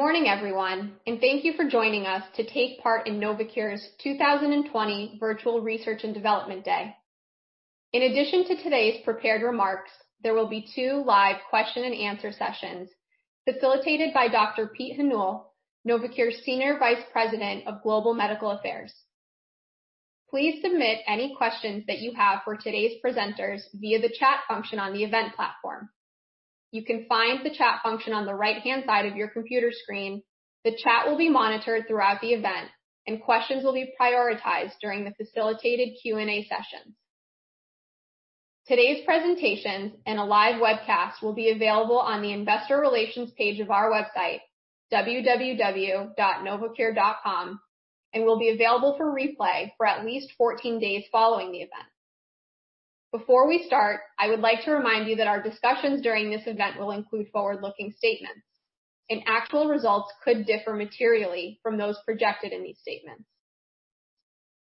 Good morning, everyone, and thank you for joining us to take part in Novocure's 2020 Virtual Research and Development Day. In addition to today's prepared remarks, there will be two live question-and-answer sessions facilitated by Dr. Peter O'Neill, Novocure's Senior Vice President of Global Medical Affairs. Please submit any questions that you have for today's presenters via the chat function on the event platform. You can find the chat function on the right-hand side of your computer screen. The chat will be monitored throughout the event, and questions will be prioritized during the facilitated Q&A sessions. Today's presentations and a live webcast will be available on the Investor Relations page of our website, www.novocure.com, and will be available for replay for at least 14 days following the event. Before we start, I would like to remind you that our discussions during this event will include forward-looking statements, and actual results could differ materially from those projected in these statements.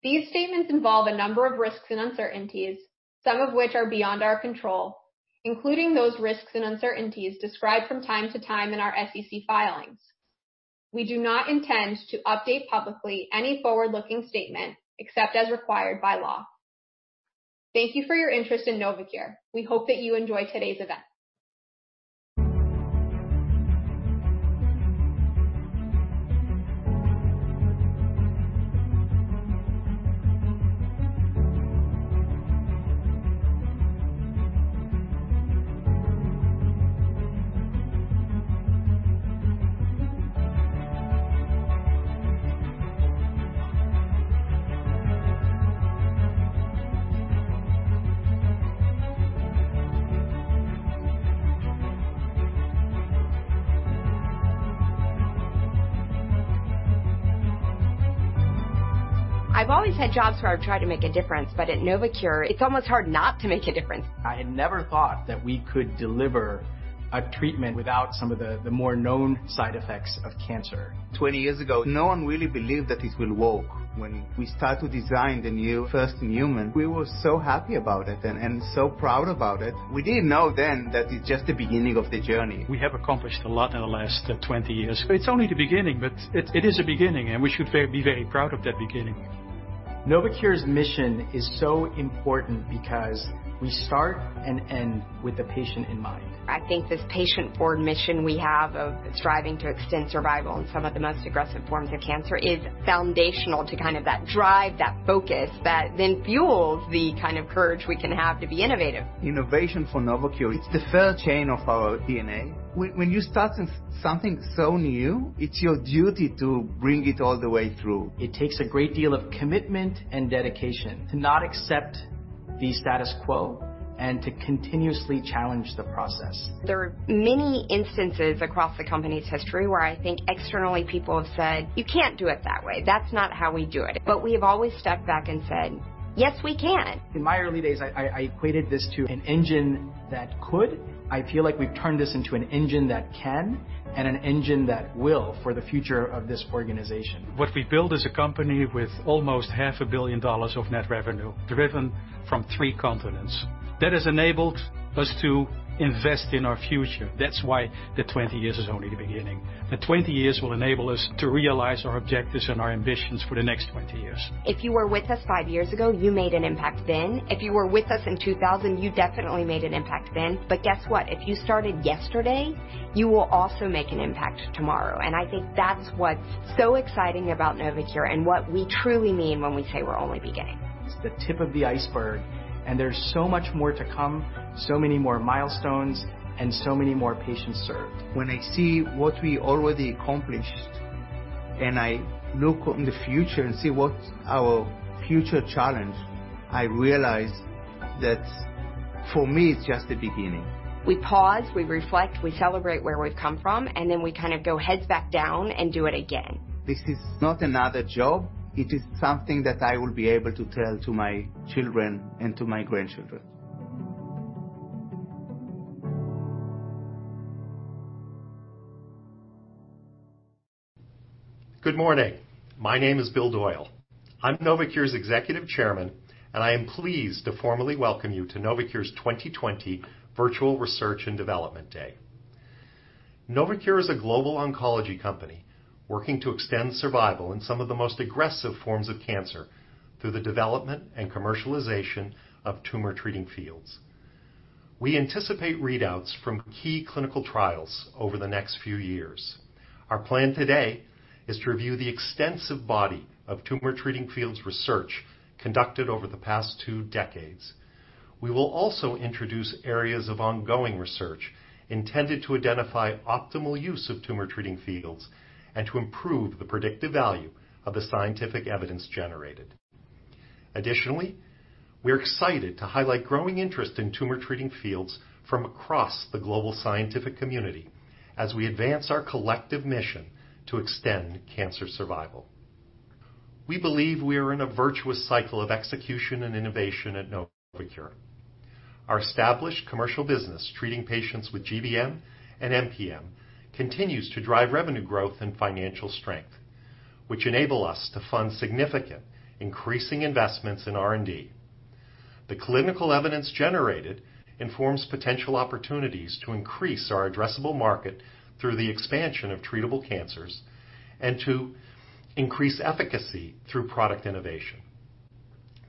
These statements involve a number of risks and uncertainties, some of which are beyond our control, including those risks and uncertainties described from time to time in our SEC filings. We do not intend to update publicly any forward-looking statement except as required by law. Thank you for your interest in Novocure. We hope that you enjoy today's event. I've always had jobs where I've tried to make a difference, but at Novocure, it's almost hard not to make a difference. I had never thought that we could deliver a treatment without some of the more known side effects of cancer. 20 years ago, no one really believed that it would work. When we started to design the new first in humans, we were so happy about it and so proud about it. We didn't know then that it was just the beginning of the journey. We have accomplished a lot in the last 20 years. It's only the beginning, but it is a beginning, and we should be very proud of that beginning. Novocure's mission is so important because we start and end with the patient in mind. I think this patient-forward mission we have of striving to extend survival in some of the most aggressive forms of cancer is foundational to kind of that drive, that focus that then fuels the kind of courage we can have to be innovative. Innovation for Novocure, it's the third chain of our DNA. When you start something so new, it's your duty to bring it all the way through. It takes a great deal of commitment and dedication to not accept the status quo and to continuously challenge the process. There are many instances across the company's history where I think externally people have said, "You can't do it that way. That's not how we do it." But we have always stepped back and said, "Yes, we can." In my early days, I equated this to an engine that could. I feel like we've turned this into an engine that can and an engine that will for the future of this organization. What we've built is a company with almost $500 million of net revenue driven from three continents. That has enabled us to invest in our future. That's why the 20 years is only the beginning. The 20 years will enable us to realize our objectives and our ambitions for the next 20 years. If you were with us five years ago, you made an impact then. If you were with us in 2000, you definitely made an impact then. But guess what? If you started yesterday, you will also make an impact tomorrow. And I think that's what's so exciting about Novocure and what we truly mean when we say we're only beginning. It's the tip of the iceberg, and there's so much more to come, so many more milestones, and so many more patients served. When I see what we already accomplished, and I look in the future and see what our future challenge, I realize that for me, it's just the beginning. We pause, we reflect, we celebrate where we've come from, and then we kind of go heads back down and do it again. This is not another job. It is something that I will be able to tell to my children and to my grandchildren. Good morning. My name is Bill Doyle. I'm Novocure's Executive Chairman, and I am pleased to formally welcome you to Novocure's 2020 Virtual Research and Development Day. Novocure is a global oncology company working to extend survival in some of the most aggressive forms of cancer through the development and commercialization of Tumor Treating Fields. We anticipate readouts from key clinical trials over the next few years. Our plan today is to review the extensive body of Tumor Treating Fields research conducted over the past two decades. We will also introduce areas of ongoing research intended to identify optimal use of Tumor Treating Fields and to improve the predictive value of the scientific evidence generated. Additionally, we're excited to highlight growing interest in Tumor Treating Fields from across the global scientific community as we advance our collective mission to extend cancer survival. We believe we are in a virtuous cycle of execution and innovation at Novocure. Our established commercial business treating patients with GBM and MPM continues to drive revenue growth and financial strength, which enable us to fund significant increasing investments in R&D. The clinical evidence generated informs potential opportunities to increase our addressable market through the expansion of treatable cancers and to increase efficacy through product innovation.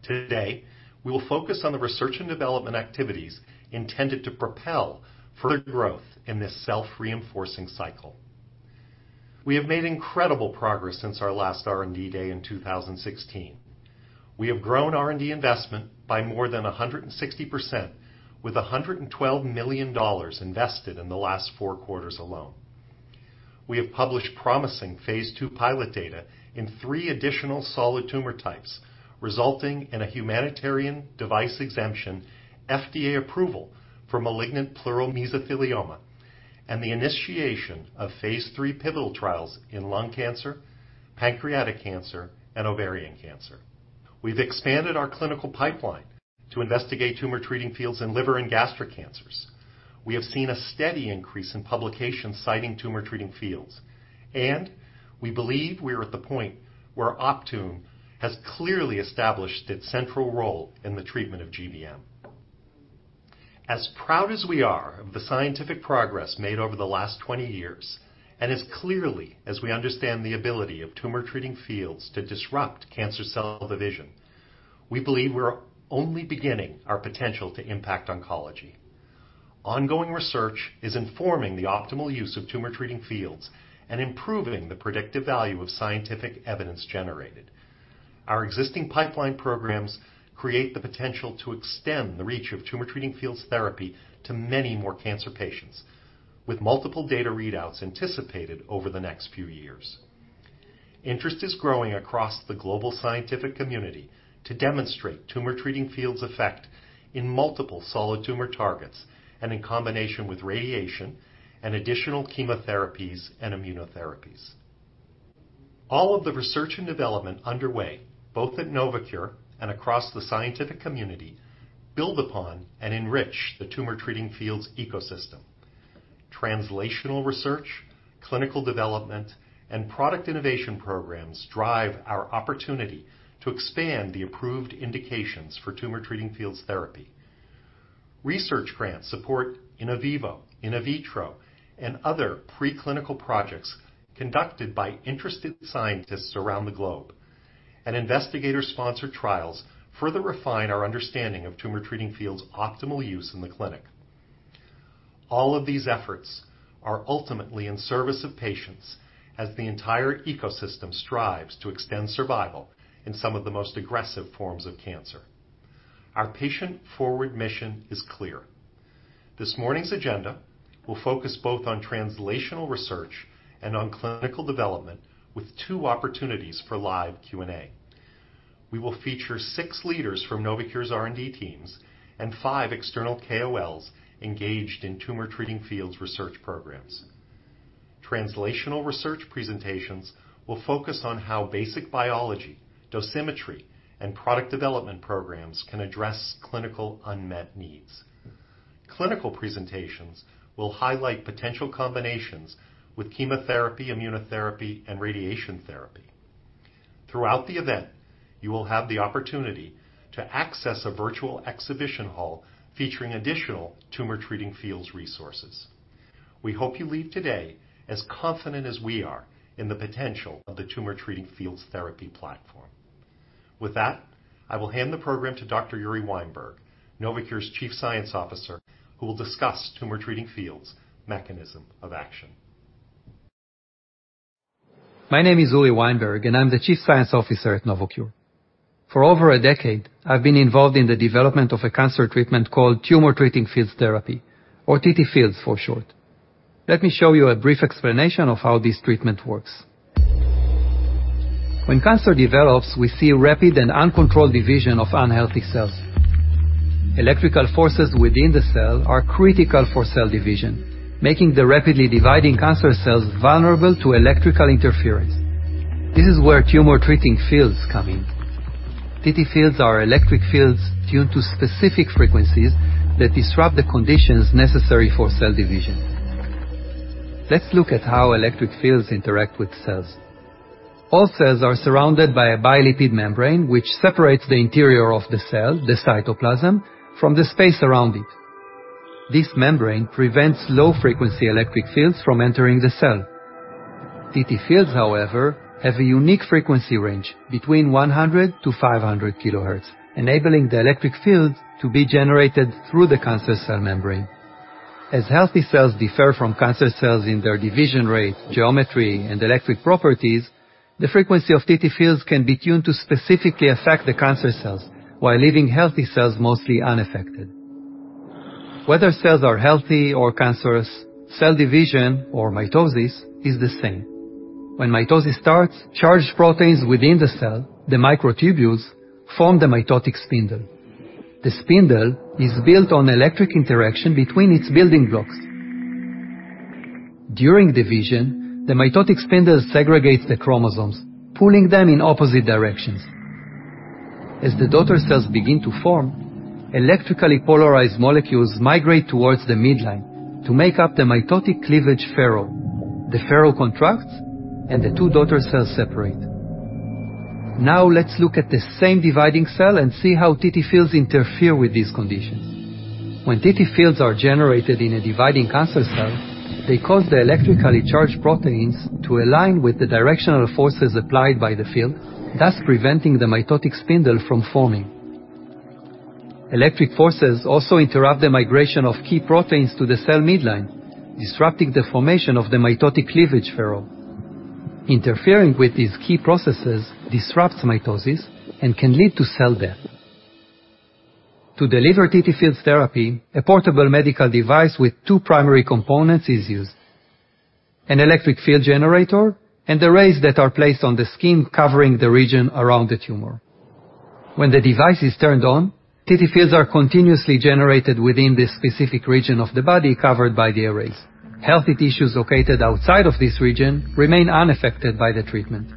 Today, we will focus on the research and development activities intended to propel further growth in this self-reinforcing cycle. We have made incredible progress since our last R&D day in 2016. We have grown R&D investment by more than 160%, with $112 million invested in the last four quarters alone. We have published promising Phase II pilot data in three additional solid tumor types, resulting in a Humanitarian Device Exemption, FDA approval for malignant pleural mesothelioma, and the initiation of Phase III pivotal trials in lung cancer, pancreatic cancer, and ovarian cancer. We've expanded our clinical pipeline to investigate Tumor Treating Fields in liver and gastric cancers. We have seen a steady increase in publications citing Tumor Treating Fields, and we believe we are at the point where Optune has clearly established its central role in the treatment of GBM. As proud as we are of the scientific progress made over the last 20 years, and as clearly as we understand the ability of Tumor Treating Fields to disrupt cancer cell division, we believe we're only beginning our potential to impact oncology. Ongoing research is informing the optimal use of Tumor Treating Fields and improving the predictive value of scientific evidence generated. Our existing pipeline programs create the potential to extend the reach of Tumor Treating Fields therapy to many more cancer patients, with multiple data readouts anticipated over the next few years. Interest is growing across the global scientific community to demonstrate Tumor Treating Fields' effect in multiple solid tumor targets and in combination with radiation and additional chemotherapies and immunotherapies. All of the research and development underway, both at Novocure and across the scientific community, build upon and enrich the Tumor Treating Fields ecosystem. Translational research, clinical development, and product innovation programs drive our opportunity to expand the approved indications for Tumor Treating Fields therapy. Research grants support in vivo, in vitro, and other preclinical projects conducted by interested scientists around the globe. Investigator-sponsored trials further refine our understanding of Tumor Treating Fields' optimal use in the clinic. All of these efforts are ultimately in service of patients as the entire ecosystem strives to extend survival in some of the most aggressive forms of cancer. Our patient-forward mission is clear. This morning's agenda will focus both on translational research and on clinical development, with two opportunities for live Q&A. We will feature six leaders from Novocure's R&D teams and five external KOLs engaged in Tumor Treating Fields research programs. Translational research presentations will focus on how basic biology, dosimetry, and product development programs can address clinical unmet needs. Clinical presentations will highlight potential combinations with chemotherapy, immunotherapy, and radiation therapy. Throughout the event, you will have the opportunity to access a virtual exhibition hall featuring additional Tumor Treating Fields resources. We hope you leave today as confident as we are in the potential of the Tumor Treating Fields therapy platform. With that, I will hand the program to Dr. Uri Weinberg, Novocure's Chief Science Officer, who will discuss Tumor Treating Fields' mechanism of action My name is Uri Weinberg, and I'm the Chief Science Officer at Novocure. For over a decade, I've been involved in the development of a cancer treatment called Tumor Treating Fields therapy, or TTFields for short. Let me show you a brief explanation of how this treatment works. When cancer develops, we see rapid and uncontrolled division of unhealthy cells. Electrical forces within the cell are critical for cell division, making the rapidly dividing cancer cells vulnerable to electrical interference. This is where Tumor Treating Fields come in. TTFields are electric fields tuned to specific frequencies that disrupt the conditions necessary for cell division. Let's look at how electric fields interact with cells. All cells are surrounded by a lipid bilayer membrane, which separates the interior of the cell, the cytoplasm, from the space around it. This membrane prevents low-frequency electric fields from entering the cell. TTFields, however, have a unique frequency range between 100 kHz-500 kHz, enabling the electric fields to be generated through the cancer cell membrane. As healthy cells differ from cancer cells in their division rate, geometry, and electric properties, the frequency of TTFields can be tuned to specifically affect the cancer cells while leaving healthy cells mostly unaffected. Whether cells are healthy or cancerous, cell division or mitosis is the same. When mitosis starts, charged proteins within the cell, the microtubules, form the mitotic spindle. The spindle is built on electric interaction between its building blocks. During division, the mitotic spindle segregates the chromosomes, pulling them in opposite directions. As the daughter cells begin to form, electrically polarized molecules migrate towards the midline to make up the mitotic cleavage furrow. The furrow contracts, and the two daughter cells separate. Now let's look at the same dividing cell and see how TTFields interfere with these conditions. When TTFields are generated in a dividing cancer cell, they cause the electrically charged proteins to align with the directional forces applied by the field, thus preventing the mitotic spindle from forming. Electric forces also interrupt the migration of key proteins to the cell midline, disrupting the formation of the mitotic cleavage furrow. Interfering with these key processes disrupts mitosis and can lead to cell death. To deliver TTFields therapy, a portable medical device with two primary components is used: an electric field generator and arrays that are placed on the skin covering the region around the tumor. When the device is turned on, TTFields are continuously generated within this specific region of the body covered by the arrays. Healthy tissues located outside of this region remain unaffected by the treatment.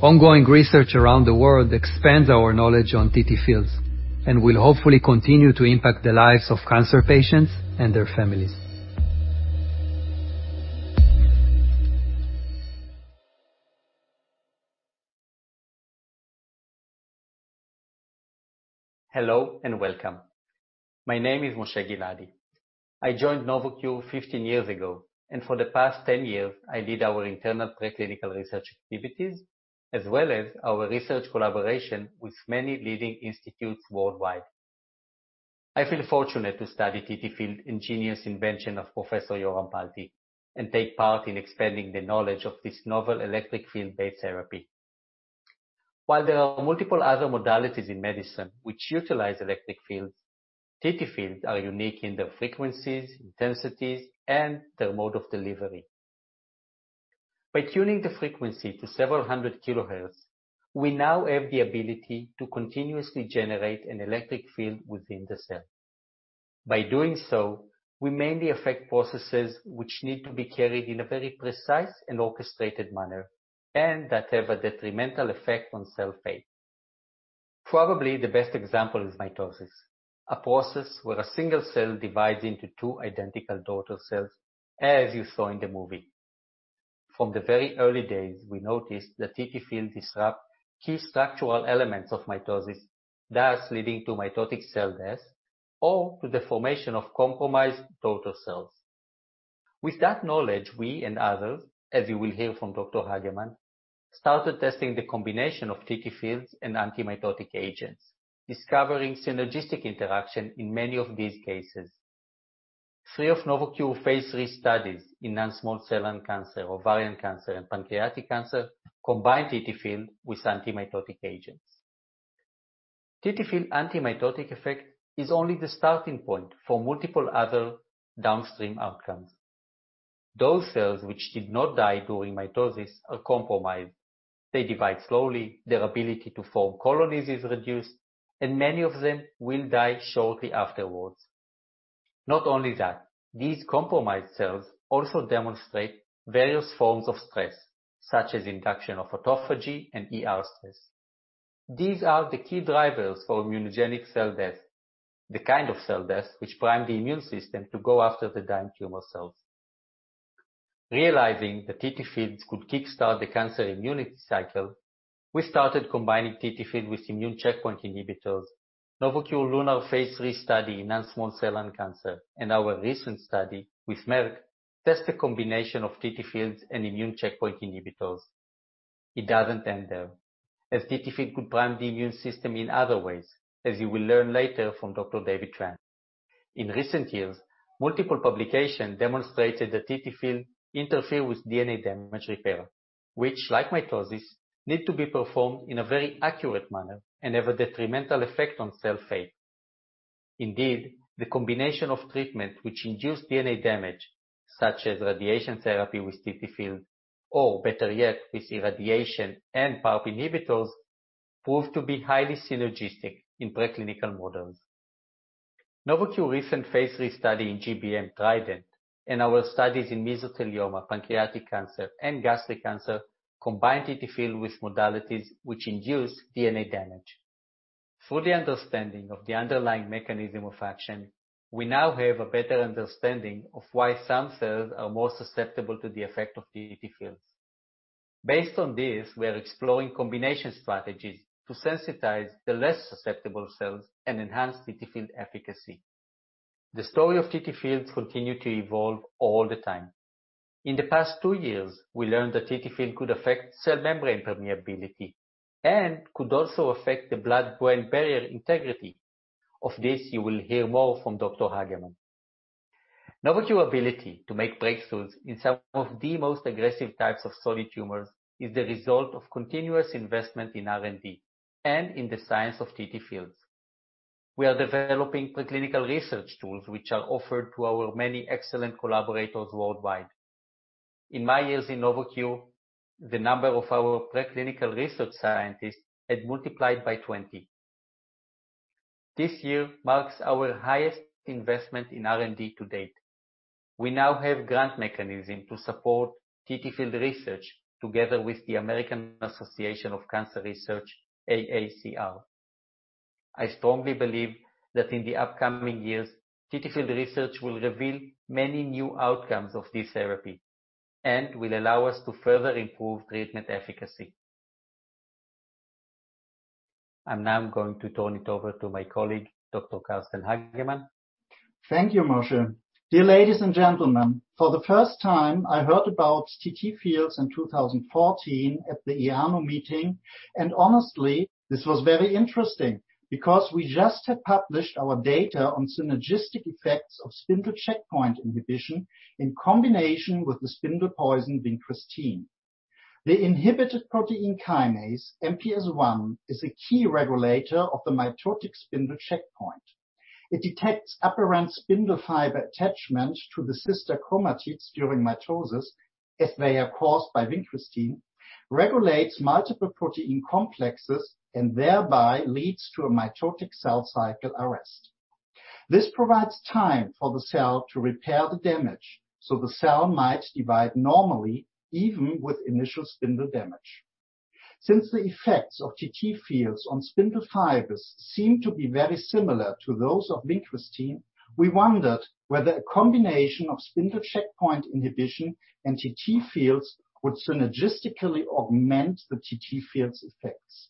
Ongoing research around the world expands our knowledge on TTFields and will hopefully continue to impact the lives of cancer patients and their families. Hello and welcome. My name is Moshe Giladi. I joined Novocure 15 years ago, and for the past 10 years, I lead our internal preclinical research activities as well as our research collaboration with many leading institutes worldwide. I feel fortunate to study TTFields engineers' invention of Professor Yoram Palti and take part in expanding the knowledge of this novel electric field-based therapy. While there are multiple other modalities in medicine which utilize electric fields, TTFields are unique in their frequencies, intensities, and their mode of delivery. By tuning the frequency to several hundred kilohertz, we now have the ability to continuously generate an electric field within the cell. By doing so, we mainly affect processes which need to be carried in a very precise and orchestrated manner and that have a detrimental effect on cell fate. Probably the best example is mitosis, a process where a single cell divides into two identical daughter cells, as you saw in the movie. From the very early days, we noticed that TTFields disrupt key structural elements of mitosis, thus leading to mitotic cell death or to the formation of compromised daughter cells. With that knowledge, we and others, as you will hear from Dr. Hagemann, started testing the combination of TTFields and anti-mitotic agents, discovering synergistic interaction in many of these cases. Three of Novocure Phase III studies in non-small cell lung cancer, ovarian cancer, and pancreatic cancer combined TTFields with anti-mitotic agents. TTFields anti-mitotic effect is only the starting point for multiple other downstream outcomes. Those cells which did not die during mitosis are compromised. They divide slowly, their ability to form colonies is reduced, and many of them will die shortly afterwards. Not only that, these compromised cells also demonstrate various forms of stress, such as induction of autophagy and stress. These are the key drivers for immunogenic cell death, the kind of cell death which primes the immune system to go after the dying tumor cells. Realizing that TTFields could kickstart the cancer immunity cycle, we started combining TTFields with immune checkpoint inhibitors. Novocure's LUNAR Phase III study in non-small cell lung cancer and our recent study with Merck test the combination of TTFields and immune checkpoint inhibitors. It doesn't end there, as TTFields could prime the immune system in other ways, as you will learn later from Dr. David Tran. In recent years, multiple publications demonstrated that TTFields interfere with DNA damage repair, which, like mitosis, need to be performed in a very accurate manner and have a detrimental effect on cell fate. Indeed, the combination of treatment which induces DNA damage, such as radiation therapy with TTFields, or better yet, with irradiation and PARP inhibitors, proved to be highly synergistic in preclinical models. Novocure's recent Phase III study in GBM, TRIDENT, and our studies in mesothelioma, pancreatic cancer, and gastric cancer combined TTFields with modalities which induce DNA damage. Through the understanding of the underlying mechanism of action, we now have a better understanding of why some cells are more susceptible to the effect of TTFields. Based on this, we are exploring combination strategies to sensitize the less susceptible cells and enhance TTFields efficacy. The story of TTFields continues to evolve all the time. In the past two years, we learned that TTFields could affect cell membrane permeability and could also affect the blood-brain barrier integrity. Of this, you will hear more from Dr. Hagemann. Novocure's ability to make breakthroughs in some of the most aggressive types of solid tumors is the result of continuous investment in R&D and in the science of TTFields. We are developing preclinical research tools which are offered to our many excellent collaborators worldwide. In my years in Novocure, the number of our preclinical research scientists had multiplied by 20. This year marks our highest investment in R&D to date. We now have a grant mechanism to support TTFields research together with the American Association for Cancer Research, AACR. I strongly believe that in the upcoming years, TTFields research will reveal many new outcomes of this therapy and will allow us to further improve treatment efficacy. I'm now going to turn it over to my colleague, Dr. Carsten Hagemann. Thank you, Moshe. Dear ladies and gentlemen, for the first time, I heard about TTFields in 2014 at the EANO meeting, and honestly, this was very interesting because we just had published our data on synergistic effects of spindle checkpoint inhibition in combination with the spindle poison vincristine. The inhibited protein kinase, MPS1, is a key regulator of the mitotic spindle checkpoint. It detects upper end spindle fiber attachment to the sister chromatids during mitosis, as they are caused by vincristine, regulates multiple protein complexes, and thereby leads to a mitotic cell cycle arrest. This provides time for the cell to repair the damage so the cell might divide normally, even with initial spindle damage. Since the effects of TTFields on spindle fibers seem to be very similar to those of vincristine, we wondered whether a combination of spindle checkpoint inhibition and TTFields would synergistically augment the TTFields' effects.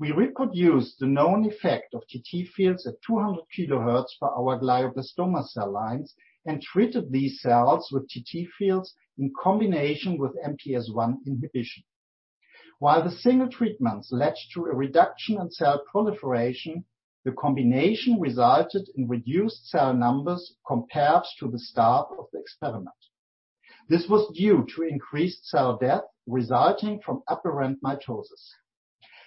We reproduced the known effect of TTFields at 200 kHz for our glioblastoma cell lines and treated these cells with TTFields in combination with MPS1 inhibition. While the single treatments led to a reduction in cell proliferation, the combination resulted in reduced cell numbers compared to the start of the experiment. This was due to increased cell death resulting from aberrant mitosis.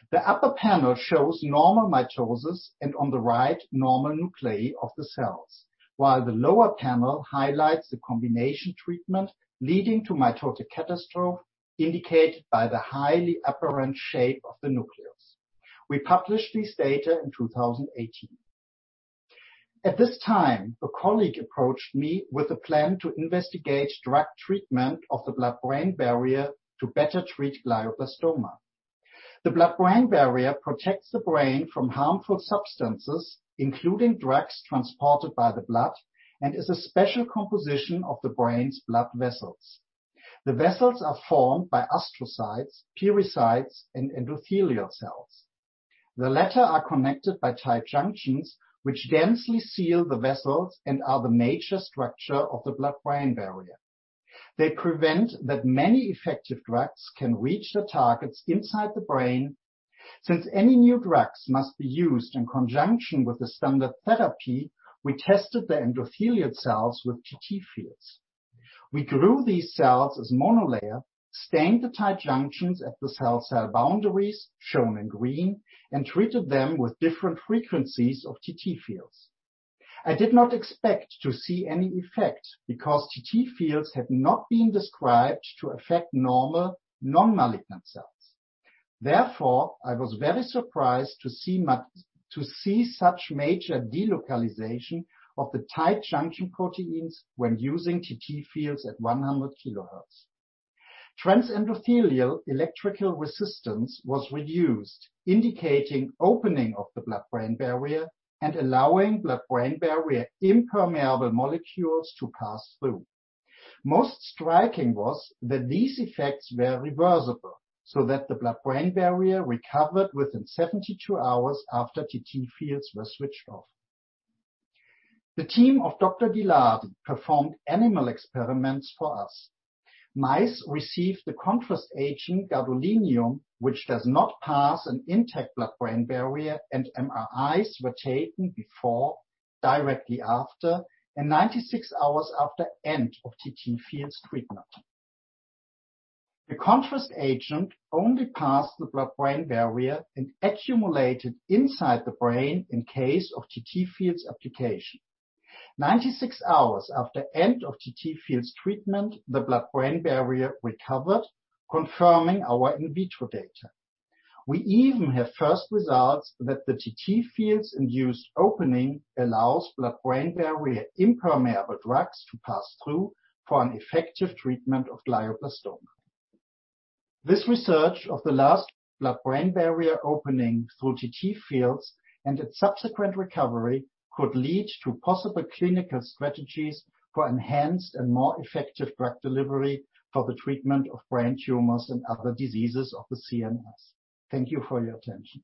The upper panel shows normal mitosis and on the right, normal nuclei of the cells, while the lower panel highlights the combination treatment leading to mitotic catastrophe indicated by the highly aberrant shape of the nucleus. We published these data in 2018. At this time, a colleague approached me with a plan to investigate drug treatment of the blood-brain barrier to better treat glioblastoma. The blood-brain barrier protects the brain from harmful substances, including drugs transported by the blood, and is a special composition of the brain's blood vessels. The vessels are formed by astrocytes, pericytes, and endothelial cells. The latter are connected by tight junctions which densely seal the vessels and are the major structure of the blood-brain barrier. They prevent that many effective drugs can reach the targets inside the brain. Since any new drugs must be used in conjunction with the standard therapy, we tested the endothelial cells with TTFields. We grew these cells as monolayer, stained the tight junctions at the cell-cell boundaries shown in green, and treated them with different frequencies of TTFields. I did not expect to see any effect because TTFields had not been described to affect normal non-malignant cells. Therefore, I was very surprised to see such major delocalization of the tight junction proteins when using TTFields at 100 kHz. Transendothelial electrical resistance was reduced, indicating opening of the blood-brain barrier and allowing blood-brain barrier impermeable molecules to pass through. Most striking was that these effects were reversible so that the blood-brain barrier recovered within 72 hours after TTFields were switched off. The team of Dr. Giladi performed animal experiments for us. Mice received the contrast agent gadolinium, which does not pass an intact blood-brain barrier, and MRIs were taken before, directly after, and 96 hours after the end of TTFields treatment. The contrast agent only passed the blood-brain barrier and accumulated inside the brain in case of TTFields application. 96 hours after the end of TTFields treatment, the blood-brain barrier recovered, confirming our in vitro data. We even have first results that the TTFields induced opening allows blood-brain barrier impermeable drugs to pass through for an effective treatment of glioblastoma. This research of the last blood-brain barrier opening through TTFields and its subsequent recovery could lead to possible clinical strategies for enhanced and more effective drug delivery for the treatment of brain tumors and other diseases of the CNS. Thank you for your attention.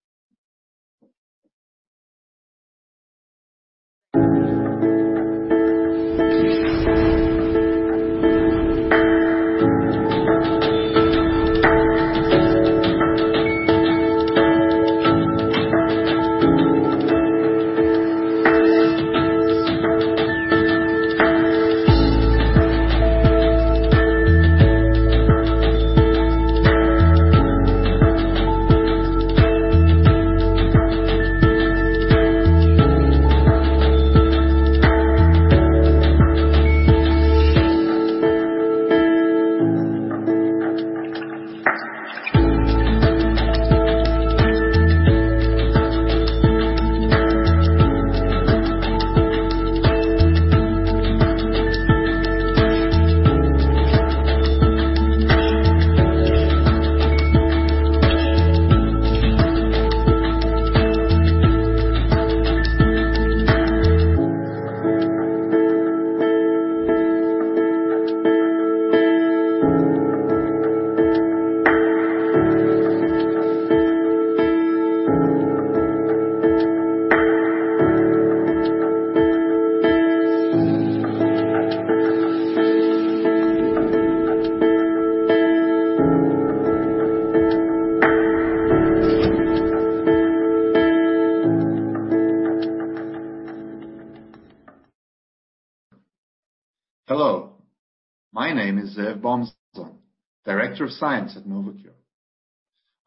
Hello. My name is Ze'ev Bomzon, Director of Science at Novocure.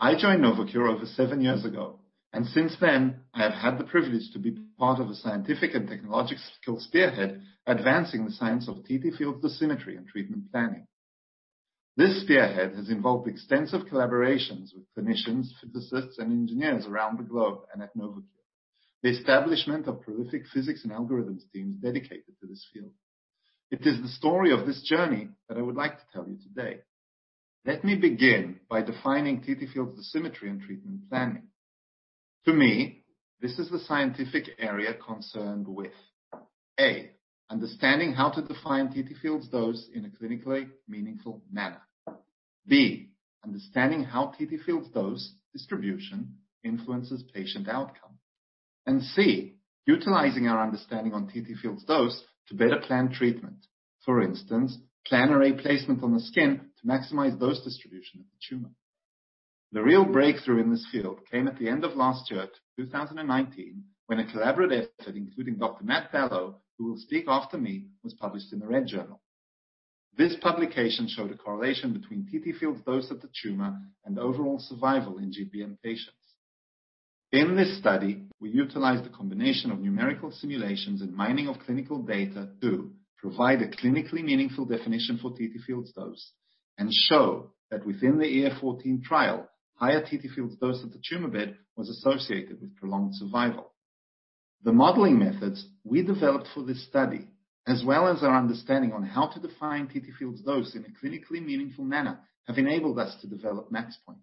I joined Novocure over seven years ago, and since then, I have had the privilege to be part of a scientific and technological spearhead advancing the science of TTFields dosimetry and treatment planning. This spearhead has involved extensive collaborations with clinicians, physicists, and engineers around the globe and at Novocure, the establishment of prolific physics and algorithms teams dedicated to this field. It is the story of this journey that I would like to tell you today. Let me begin by defining TTFields dosimetry and treatment planning. To me, this is the scientific area concerned with: A, understanding how to define TTFields dose in a clinically meaningful manner. B, understanding how TTFields dose distribution influences patient outcome. And C, utilizing our understanding on TTFields dose to better plan treatment, for instance, plan an array placement on the skin to maximize dose distribution of the tumor. The real breakthrough in this field came at the end of last year, 2019, when a collaborative effort including Dr. Matthew Ballo, who will speak after me, was published in the Red Journal. This publication showed a correlation between TTFields dose of the tumor and overall survival in GBM patients. In this study, we utilized a combination of numerical simulations and mining of clinical data to provide a clinically meaningful definition for TTFields dose and show that within the EF-14 trial, higher TTFields dose of the tumor bed was associated with prolonged survival. The modeling methods we developed for this study, as well as our understanding on how to define TTFields dose in a clinically meaningful manner, have enabled us to develop MAXPOINT.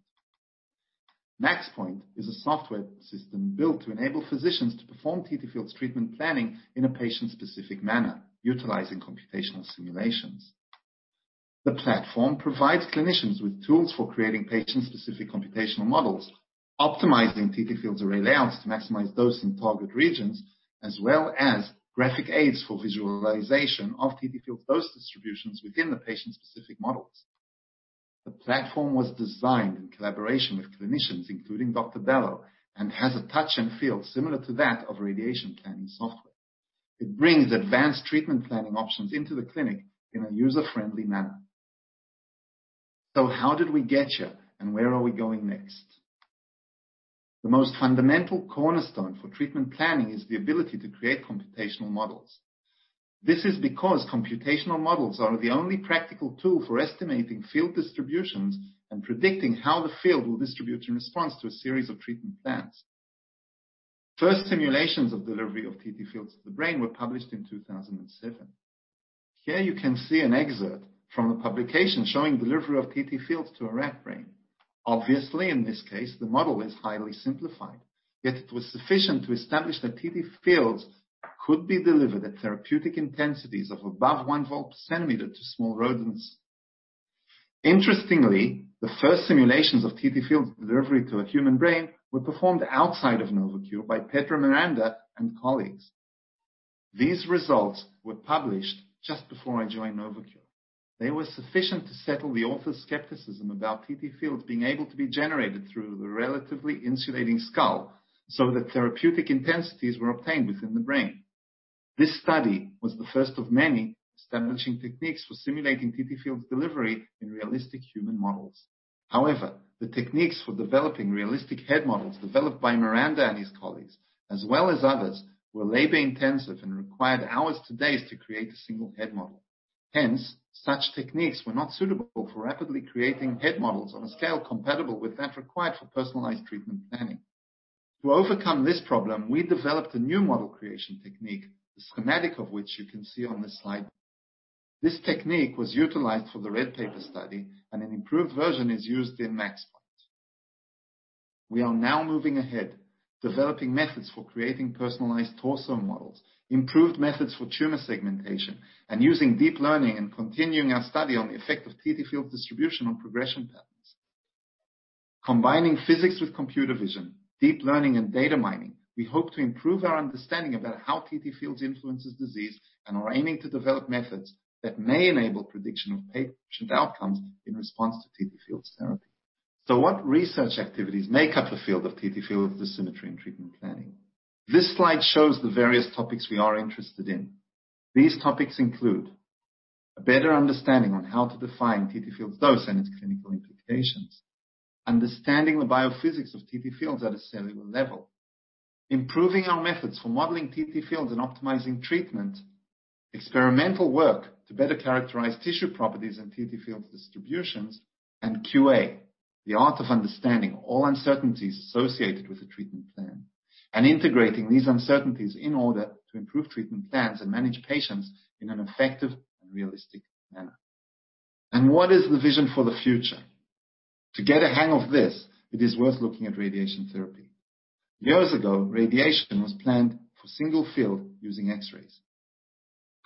MAXPOINT is a software system built to enable physicians to perform TTFields treatment planning in a patient-specific manner, utilizing computational simulations. The platform provides clinicians with tools for creating patient-specific computational models, optimizing TTFields array layouts to maximize dose in target regions, as well as graphic aids for visualization of TTFields dose distributions within the patient-specific models. The platform was designed in collaboration with clinicians, including Dr. Ballo, and has a touch and feel similar to that of radiation planning software. It brings advanced treatment planning options into the clinic in a user-friendly manner. So how did we get here, and where are we going next? The most fundamental cornerstone for treatment planning is the ability to create computational models. This is because computational models are the only practical tool for estimating field distributions and predicting how the field will distribute in response to a series of treatment plans. First simulations of delivery of TTFields to the brain were published in 2007. Here you can see an excerpt from the publication showing delivery of TTFields to a rat brain. Obviously, in this case, the model is highly simplified, yet it was sufficient to establish that TTFields could be delivered at therapeutic intensities of above 1 V per centimeter to small rodents. Interestingly, the first simulations of TTFields delivery to a human brain were performed outside of Novocure by Pedro Miranda and colleagues. These results were published just before I joined Novocure. They were sufficient to settle the author's skepticism about TTFields being able to be generated through the relatively insulating skull so that therapeutic intensities were obtained within the brain. This study was the first of many establishing techniques for simulating TTFields delivery in realistic human models. However, the techniques for developing realistic head models developed by Miranda and his colleagues, as well as others, were labor-intensive and required hours to days to create a single head model. Hence, such techniques were not suitable for rapidly creating head models on a scale compatible with that required for personalized treatment planning. To overcome this problem, we developed a new model creation technique, the schematic of which you can see on this slide. This technique was utilized for the Red Paper study, and an improved version is used in MAXPOINT. We are now moving ahead, developing methods for creating personalized torsion models, improved methods for tumor segmentation, and using deep learning and continuing our study on the effect of TTFields distribution on progression patterns. Combining physics with computer vision, deep learning, and data mining, we hope to improve our understanding about how TTFields influence disease and are aiming to develop methods that may enable prediction of patient outcomes in response to TTFields therapy. So what research activities make up the field of TTFields dosimetry and treatment planning? This slide shows the various topics we are interested in. These topics include a better understanding on how to define TTFields dose and its clinical implications, understanding the biophysics of TTFields at a cellular level, improving our methods for modeling TTFields and optimizing treatment, experimental work to better characterize tissue properties and TTFields distributions, and QA, the art of understanding all uncertainties associated with a treatment plan and integrating these uncertainties in order to improve treatment plans and manage patients in an effective and realistic manner. And what is the vision for the future? To get a hang of this, it is worth looking at radiation therapy. Years ago, radiation was planned for single field using X-rays.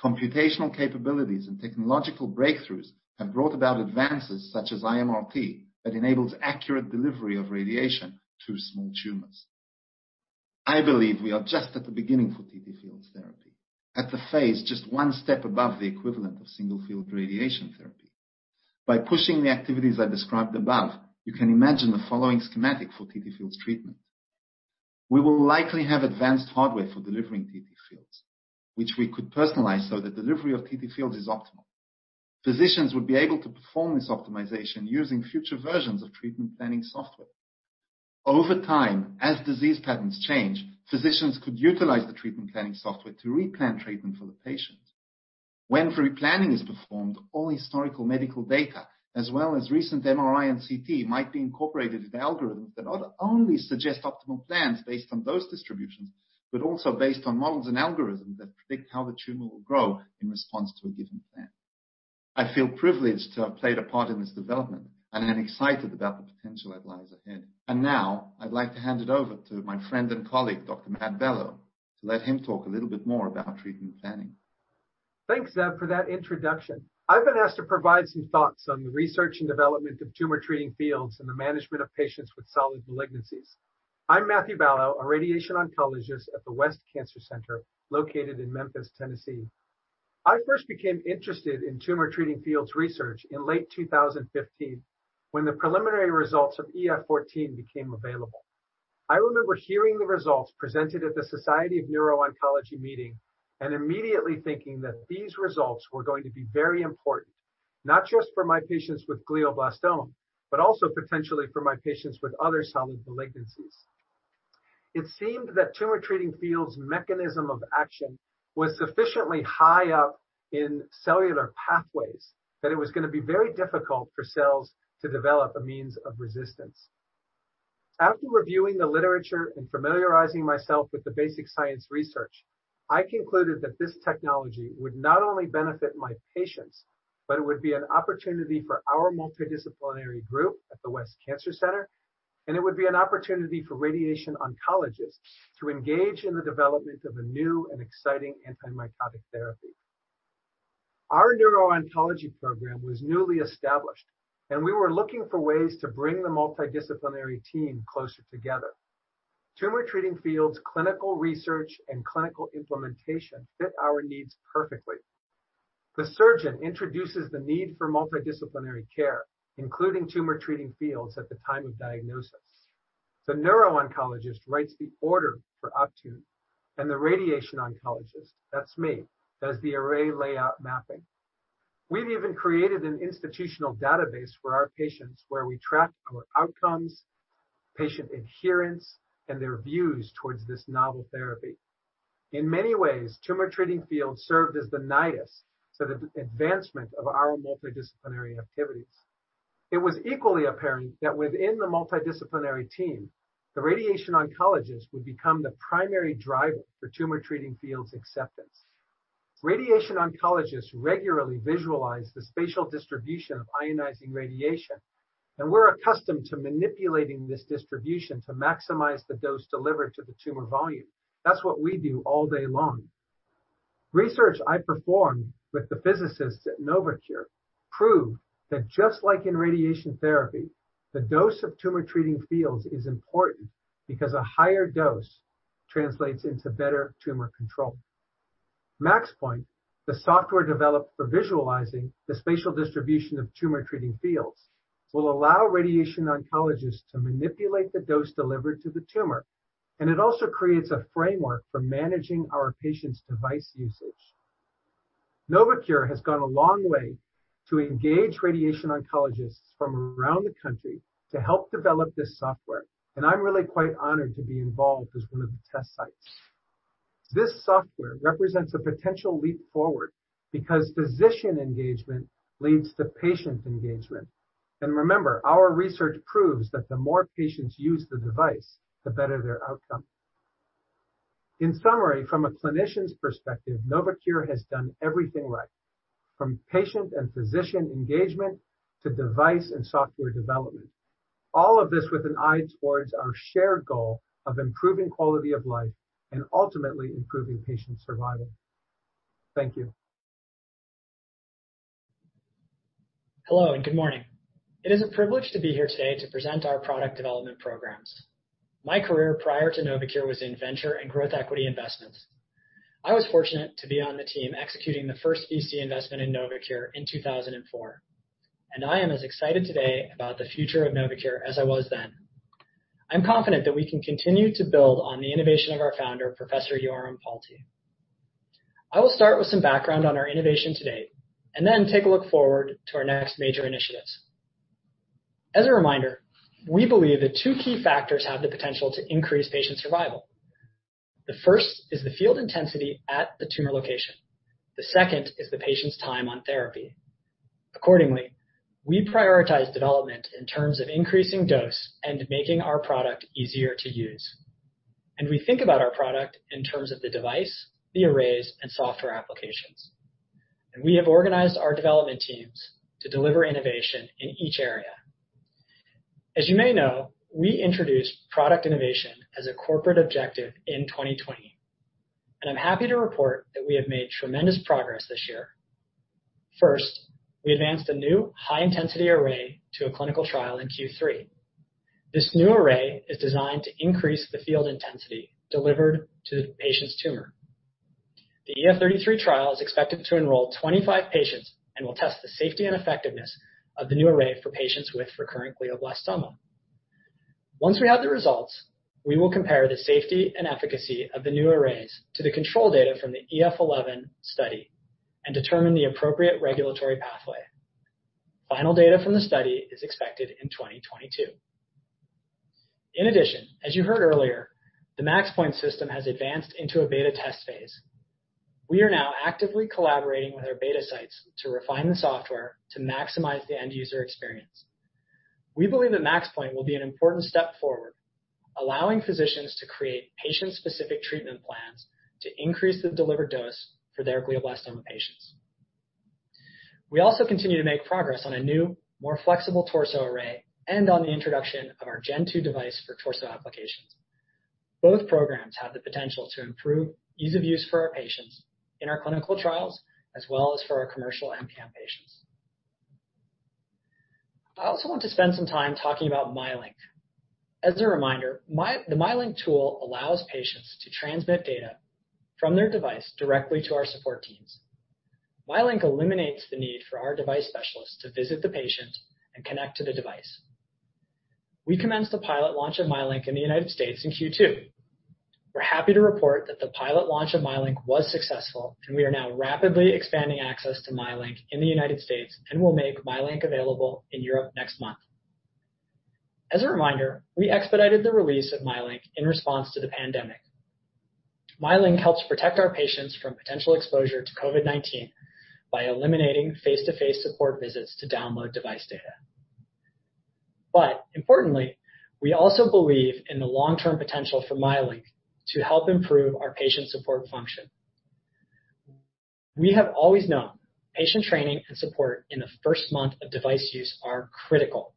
Computational capabilities and technological breakthroughs have brought about advances such as IMRT that enables accurate delivery of radiation to small tumors. I believe we are just at the beginning for TTFields therapy, at the phase just one step above the equivalent of single field radiation therapy. By pushing the activities I described above, you can imagine the following schematic for TTFields treatment. We will likely have advanced hardware for delivering TTFields, which we could personalize so that delivery of TTFields is optimal. Physicians would be able to perform this optimization using future versions of treatment planning software. Over time, as disease patterns change, physicians could utilize the treatment planning software to replan treatment for the patient. When replanning is performed, all historical medical data, as well as recent MRI and CT, might be incorporated into algorithms that not only suggest optimal plans based on dose distributions, but also based on models and algorithms that predict how the tumor will grow in response to a given plan. I feel privileged to have played a part in this development and am excited about the potential that lies ahead, and now I'd like to hand it over to my friend and colleague, Dr. Matthew Ballo, to let him talk a little bit more about treatment planning. Thanks, Ze'ev, for that introduction. I've been asked to provide some thoughts on the research and development of tumor treating fields and the management of patients with solid malignancies. I'm Matthew Ballo, a radiation oncologist at the West Cancer Center located in Memphis, Tennessee. I first became interested in tumor treating fields research in late 2015 when the preliminary results of EF-14 became available. I remember hearing the results presented at the Society for Neuro-Oncology meeting and immediately thinking that these results were going to be very important, not just for my patients with glioblastoma, but also potentially for my patients with other solid malignancies. It seemed that tumor treating fields' mechanism of action was sufficiently high up in cellular pathways that it was going to be very difficult for cells to develop a means of resistance. After reviewing the literature and familiarizing myself with the basic science research, I concluded that this technology would not only benefit my patients, but it would be an opportunity for our multidisciplinary group at the West Cancer Center, and it would be an opportunity for radiation oncologists to engage in the development of a new and exciting anti-mitotic therapy. Our neuro-oncology program was newly established, and we were looking for ways to bring the multidisciplinary team closer together. Tumor Treating Fields, clinical research, and clinical implementation fit our needs perfectly. The surgeon introduces the need for multidisciplinary care, including Tumor Treating Fields, at the time of diagnosis. The neuro-oncologist writes the order for Optune, and the radiation oncologist, that's me, does the array layout mapping. We've even created an institutional database for our patients where we track our outcomes, patient adherence, and their views towards this novel therapy. In many ways, Tumor Treating Fields served as the nidus for the advancement of our multidisciplinary activities. It was equally apparent that within the multidisciplinary team, the radiation oncologist would become the primary driver for Tumor Treating Fields' acceptance. Radiation oncologists regularly visualize the spatial distribution of ionizing radiation, and we're accustomed to manipulating this distribution to maximize the dose delivered to the tumor volume. That's what we do all day long. Research I performed with the physicists at Novocure proved that just like in radiation therapy, the dose of Tumor Treating Fields is important because a higher dose translates into better tumor control. MAXPOINT, the software developed for visualizing the spatial distribution of Tumor Treating Fields, will allow radiation oncologists to manipulate the dose delivered to the tumor, and it also creates a framework for managing our patients' device usage. Novocure has gone a long way to engage radiation oncologists from around the country to help develop this software, and I'm really quite honored to be involved as one of the test sites. This software represents a potential leap forward because physician engagement leads to patient engagement. And remember, our research proves that the more patients use the device, the better their outcome. In summary, from a clinician's perspective, Novocure has done everything right, from patient and physician engagement to device and software development, all of this with an eye towards our shared goal of improving quality of life and ultimately improving patient survival. Thank you. Hello, and good morning. It is a privilege to be here today to present our product development programs. My career prior to Novocure was in venture and growth equity investments. I was fortunate to be on the team executing the first VC investment in Novocure in 2004, and I am as excited today about the future of Novocure as I was then. I'm confident that we can continue to build on the innovation of our founder, Professor Yoram Palti. I will start with some background on our innovation today and then take a look forward to our next major initiatives. As a reminder, we believe that two key factors have the potential to increase patient survival. The first is the field intensity at the tumor location. The second is the patient's time on therapy. Accordingly, we prioritize development in terms of increasing dose and making our product easier to use. We think about our product in terms of the device, the arrays, and software applications. We have organized our development teams to deliver innovation in each area. As you may know, we introduced product innovation as a corporate objective in 2020, and I'm happy to report that we have made tremendous progress this year. First, we advanced a new high-intensity array to a clinical trial in Q3. This new array is designed to increase the field intensity delivered to the patient's tumor. The EF-33 trial is expected to enroll 25 patients and will test the safety and effectiveness of the new array for patients with recurrent glioblastoma. Once we have the results, we will compare the safety and efficacy of the new arrays to the control data from the EF-11 study and determine the appropriate regulatory pathway. Final data from the study is expected in 2022. In addition, as you heard earlier, the MAXPOINT system has advanced into a beta test phase. We are now actively collaborating with our beta sites to refine the software to maximize the end-user experience. We believe that MAXPOINT will be an important step forward, allowing physicians to create patient-specific treatment plans to increase the delivered dose for their glioblastoma patients. We also continue to make progress on a new, more flexible torso array and on the introduction of our Gen2 device for torso applications. Both programs have the potential to improve ease of use for our patients in our clinical trials, as well as for our commercial MPM patients. I also want to spend some time talking about MyLink. As a reminder, the MyLink tool allows patients to transmit data from their device directly to our support teams. MyLink eliminates the need for our device specialists to visit the patient and connect to the device. We commenced the pilot launch of MyLink in the United States in Q2. We're happy to report that the pilot launch of MyLink was successful, and we are now rapidly expanding access to MyLink in the United States and will make MyLink available in Europe next month. As a reminder, we expedited the release of MyLink in response to the pandemic. MyLink helps protect our patients from potential exposure to COVID-19 by eliminating face-to-face support visits to download device data. But importantly, we also believe in the long-term potential for MyLink to help improve our patient support function. We have always known patient training and support in the first month of device use are critical.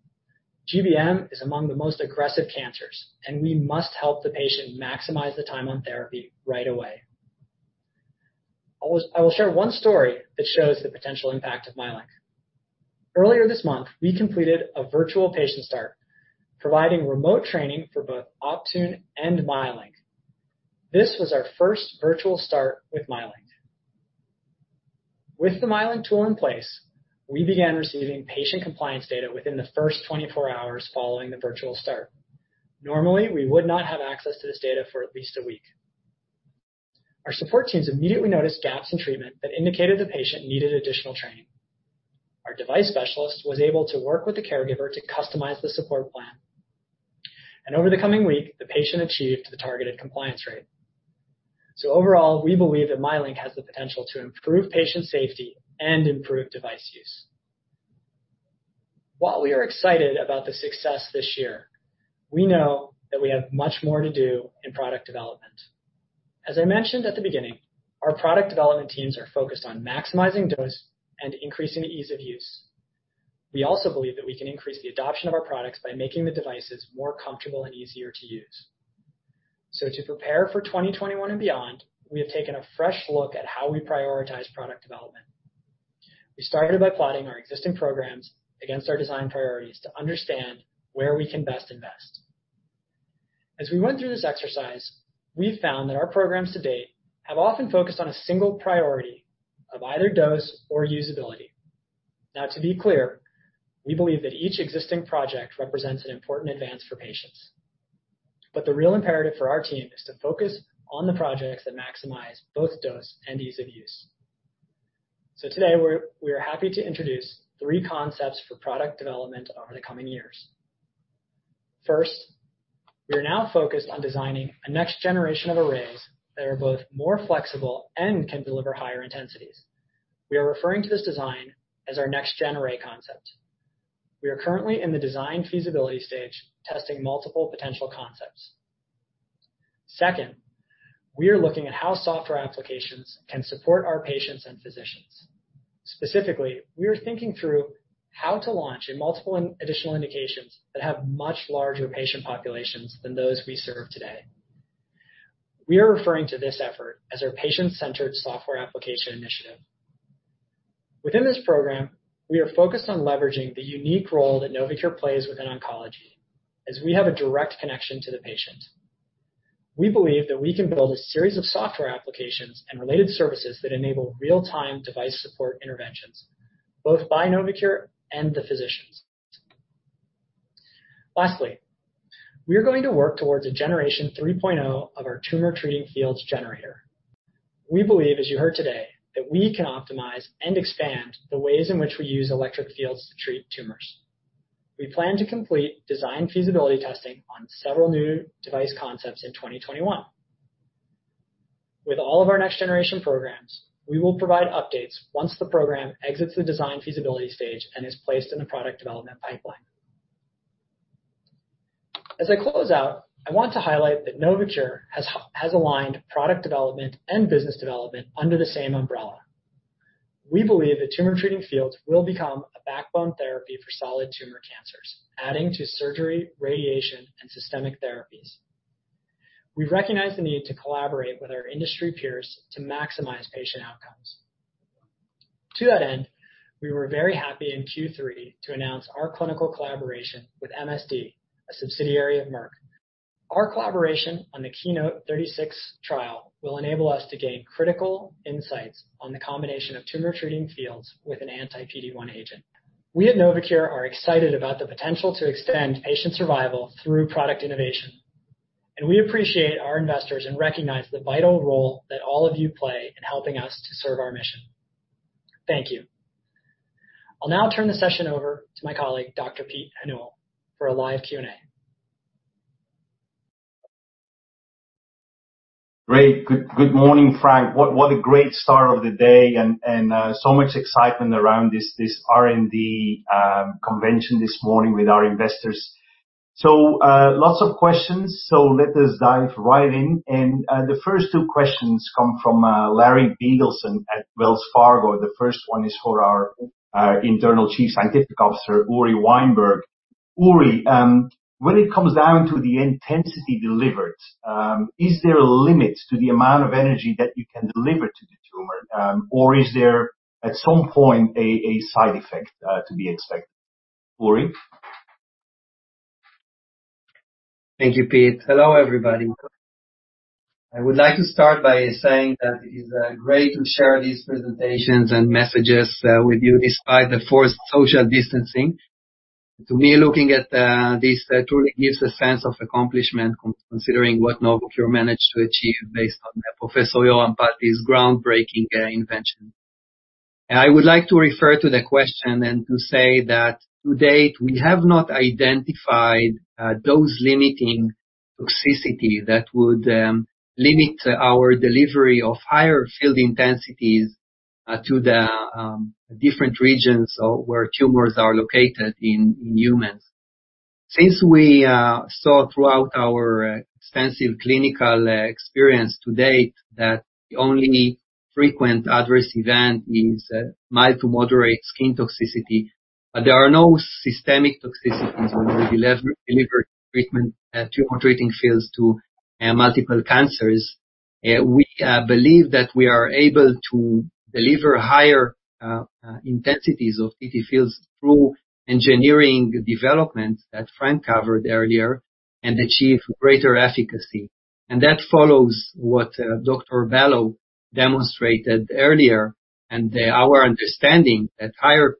GBM is among the most aggressive cancers, and we must help the patient maximize the time on therapy right away. I will share one story that shows the potential impact of MyLink. Earlier this month, we completed a virtual patient start, providing remote training for both Optune and MyLink. This was our first virtual start with MyLink. With the MyLink tool in place, we began receiving patient compliance data within the first 24 hours following the virtual start. Normally, we would not have access to this data for at least a week. Our support teams immediately noticed gaps in treatment that indicated the patient needed additional training. Our device specialist was able to work with the caregiver to customize the support plan, and over the coming week, the patient achieved the targeted compliance rate. So overall, we believe that MyLink has the potential to improve patient safety and improve device use. While we are excited about the success this year, we know that we have much more to do in product development. As I mentioned at the beginning, our product development teams are focused on maximizing dose and increasing ease of use. We also believe that we can increase the adoption of our products by making the devices more comfortable and easier to use. So to prepare for 2021 and beyond, we have taken a fresh look at how we prioritize product development. We started by plotting our existing programs against our design priorities to understand where we can best invest. As we went through this exercise, we've found that our programs to date have often focused on a single priority of either dose or usability. Now, to be clear, we believe that each existing project represents an important advance for patients, but the real imperative for our team is to focus on the projects that maximize both dose and ease of use, so today, we are happy to introduce three concepts for product development over the coming years. First, we are now focused on designing a next generation of arrays that are both more flexible and can deliver higher intensities. We are referring to this design as our next gen array concept. We are currently in the design feasibility stage, testing multiple potential concepts. Second, we are looking at how software applications can support our patients and physicians. Specifically, we are thinking through how to launch in multiple additional indications that have much larger patient populations than those we serve today. We are referring to this effort as our patient-centered software application initiative. Within this program, we are focused on leveraging the unique role that Novocure plays within oncology, as we have a direct connection to the patient. We believe that we can build a series of software applications and related services that enable real-time device support interventions, both by Novocure and the physicians. Lastly, we are going to work towards a Generation 3.0 of our Tumor Treating Fields generator. We believe, as you heard today, that we can optimize and expand the ways in which we use electric fields to treat tumors. We plan to complete design feasibility testing on several new device concepts in 2021. With all of our next generation programs, we will provide updates once the program exits the design feasibility stage and is placed in the product development pipeline. As I close out, I want to highlight that Novocure has aligned product development and business development under the same umbrella. We believe that tumor treating fields will become a backbone therapy for solid tumor cancers, adding to surgery, radiation, and systemic therapies. We recognize the need to collaborate with our industry peers to maximize patient outcomes. To that end, we were very happy in Q3 to announce our clinical collaboration with MSD, a subsidiary of Merck. Our collaboration on the KEYNOTE-B36 trial will enable us to gain critical insights on the combination of tumor treating fields with an anti-PD-1 agent. We at Novocure are excited about the potential to extend patient survival through product innovation, and we appreciate our investors and recognize the vital role that all of you play in helping us to serve our mission. Thank you. I'll now turn the session over to my colleague, Dr. Pete O'Neill, for a live Q&A. Great. Good morning, Frank. What a great start of the day and so much excitement around this R&D convention this morning with our investors. So lots of questions, so let us dive right in. And the first two questions come from Larry Biegelsen at Wells Fargo. The first one is for our internal Chief Scientific Officer, Uri Weinberg. Uri, when it comes down to the intensity delivered, is there a limit to the amount of energy that you can deliver to the tumor, or is there at some point a side effect to be expected? Uri? Thank you, Pete. Hello, everybody. I would like to start by saying that it is great to share these presentations and messages with you despite the forced social distancing. To me, looking at this, it truly gives a sense of accomplishment considering what Novocure managed to achieve based on Professor Yoram Palti's groundbreaking invention. I would like to refer to the question and to say that to date, we have not identified dose-limiting toxicity that would limit our delivery of higher field intensities to the different regions where tumors are located in humans. Since we saw throughout our extensive clinical experience to date that the only frequent adverse event is mild to moderate skin toxicity, but there are no systemic toxicities when we deliver treatment tumor treating fields to multiple cancers. We believe that we are able to deliver higher intensities of TTFields through engineering development that Frank covered earlier and achieve greater efficacy, and that follows what Dr. Ballo demonstrated earlier and our understanding that higher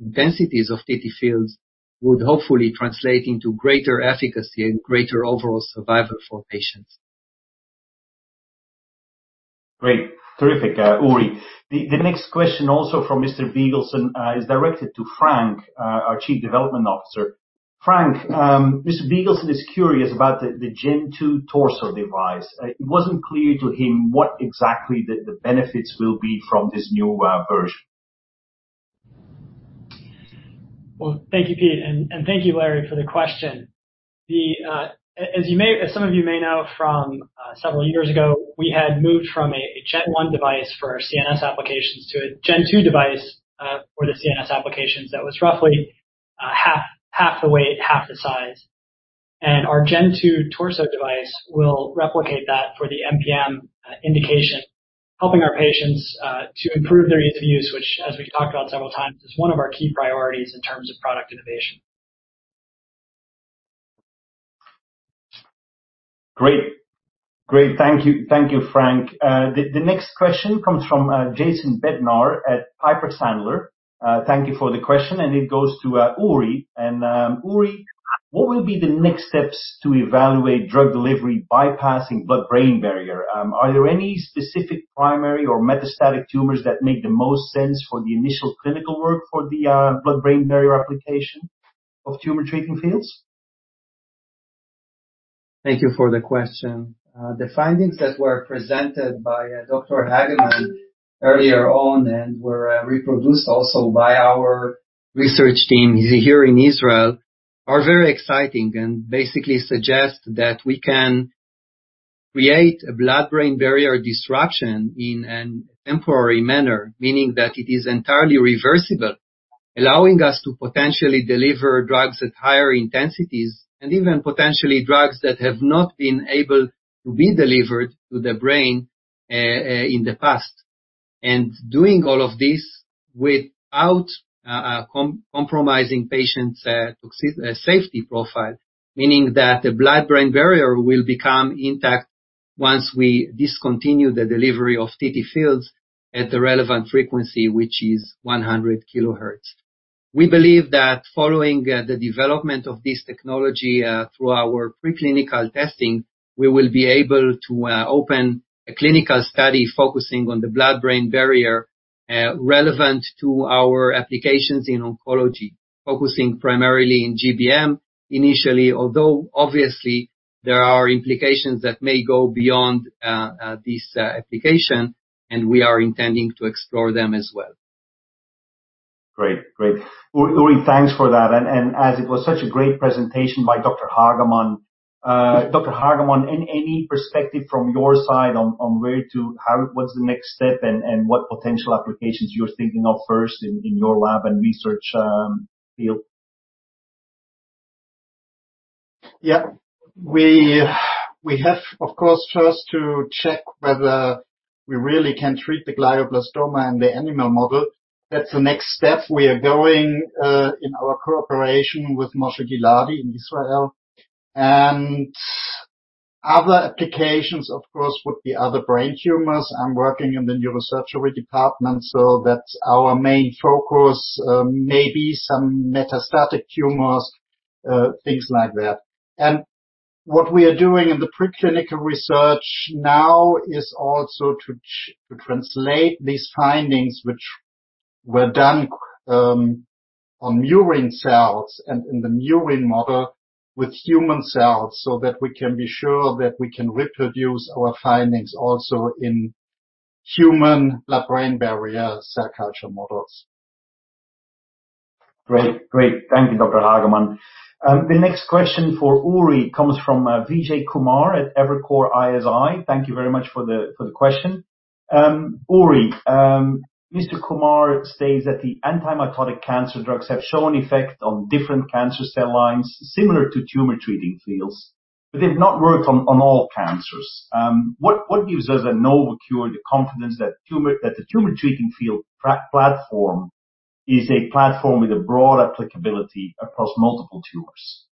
intensities of TTFields would hopefully translate into greater efficacy and greater overall survival for patients. Great. Terrific, Uri. The next question also from Mr. Biegelsen is directed to Frank, our Chief Development Officer. Frank, Mr. Biegelsen is curious about the Gen2 torso device. It wasn't clear to him what exactly the benefits will be from this new version. Thank you, Pete, and thank you, Larry, for the question. As some of you may know from several years ago, we had moved from a Gen1 device for our CNS applications to a Gen2 device for the CNS applications that was roughly half the weight, half the size. Our Gen2 torso device will replicate that for the MPM indication, helping our patients to improve their ease of use, which, as we've talked about several times, is one of our key priorities in terms of product innovation. Great. Great. Thank you, Frank. The next question comes from Jason Bednar at Piper Sandler. Thank you for the question, and it goes to Uri. And Uri, what will be the next steps to evaluate drug delivery bypassing blood-brain barrier? Are there any specific primary or metastatic tumors that make the most sense for the initial clinical work for the blood-brain barrier application of Tumor Treating Fields? Thank you for the question. The findings that were presented by Dr. Hagemann earlier on and were reproduced also by our research team here in Israel are very exciting and basically suggest that we can create a blood-brain barrier disruption in a temporary manner, meaning that it is entirely reversible, allowing us to potentially deliver drugs at higher intensities and even potentially drugs that have not been able to be delivered to the brain in the past, and doing all of this without compromising patients' safety profile, meaning that the blood-brain barrier will become intact once we discontinue the delivery of TTFields at the relevant frequency, which is 100 kHz. We believe that following the development of this technology through our preclinical testing, we will be able to open a clinical study focusing on the blood-brain barrier relevant to our applications in oncology, focusing primarily in GBM initially, although obviously there are implications that may go beyond this application, and we are intending to explore them as well. Great. Great. Uri, thanks for that. And as it was such a great presentation by Dr. Hagemann, Dr. Hagemann, any perspective from your side on where to, what's the next step, and what potential applications you're thinking of first in your lab and research field? Yeah. We have, of course, first to check whether we really can treat the glioblastoma in the animal model. That's the next step we are going in our cooperation with Moshe Giladi in Israel, and other applications, of course, would be other brain tumors. I'm working in the neurosurgery department, so that's our main focus, maybe some metastatic tumors, things like that, and what we are doing in the preclinical research now is also to translate these findings, which were done on murine cells and in the murine model with human cells so that we can be sure that we can reproduce our findings also in human blood-brain barrier cell culture models. Great. Great. Thank you, Dr. Hagemann. The next question for Uri comes from Vijay Kumar at Evercore ISI. Thank you very much for the question. Uri, Mr. Kumar states that the anti-mitotic cancer drugs have shown effect on different cancer cell lines similar to Tumor Treating Fields, but they've not worked on all cancers. What gives us at Novocure the confidence that the Tumor Treating Fields platform is a platform with a broad applicability across multiple tumors?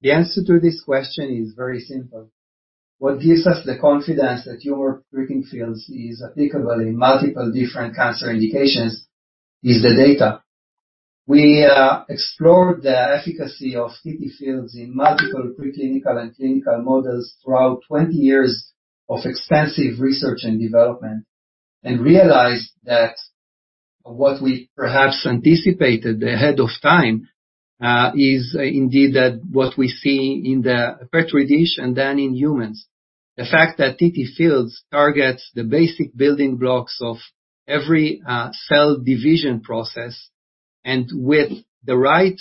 The answer to this question is very simple. What gives us the confidence that Tumor Treating Fields is applicable in multiple different cancer indications is the data. We explored the efficacy of TTFields in multiple preclinical and clinical models throughout 20 years of extensive research and development and realized that what we perhaps anticipated ahead of time is indeed that what we see in the petri dish and then in humans, the fact that TTFields targets the basic building blocks of every cell division process, and with the right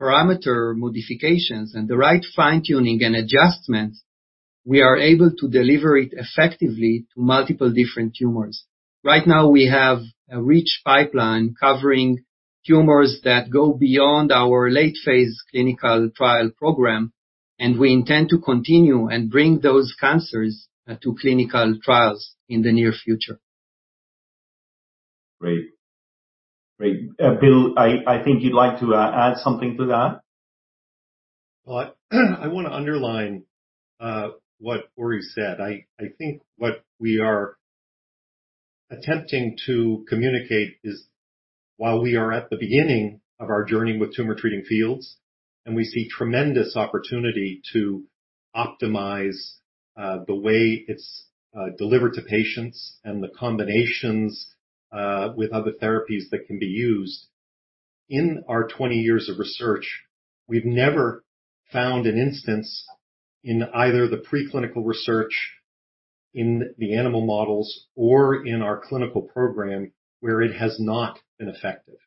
parameter modifications and the right fine-tuning and adjustments, we are able to deliver it effectively to multiple different tumors. Right now, we have a rich pipeline covering tumors that go beyond our late-phase clinical trial program, and we intend to continue and bring those cancers to clinical trials in the near future. Great. Great. Bill, I think you'd like to add something to that. I want to underline what Uri said. I think what we are attempting to communicate is while we are at the beginning of our journey with Tumor Treating Fields, and we see tremendous opportunity to optimize the way it's delivered to patients and the combinations with other therapies that can be used. In our 20 years of research, we've never found an instance in either the preclinical research, in the animal models, or in our clinical program where it has not been effective.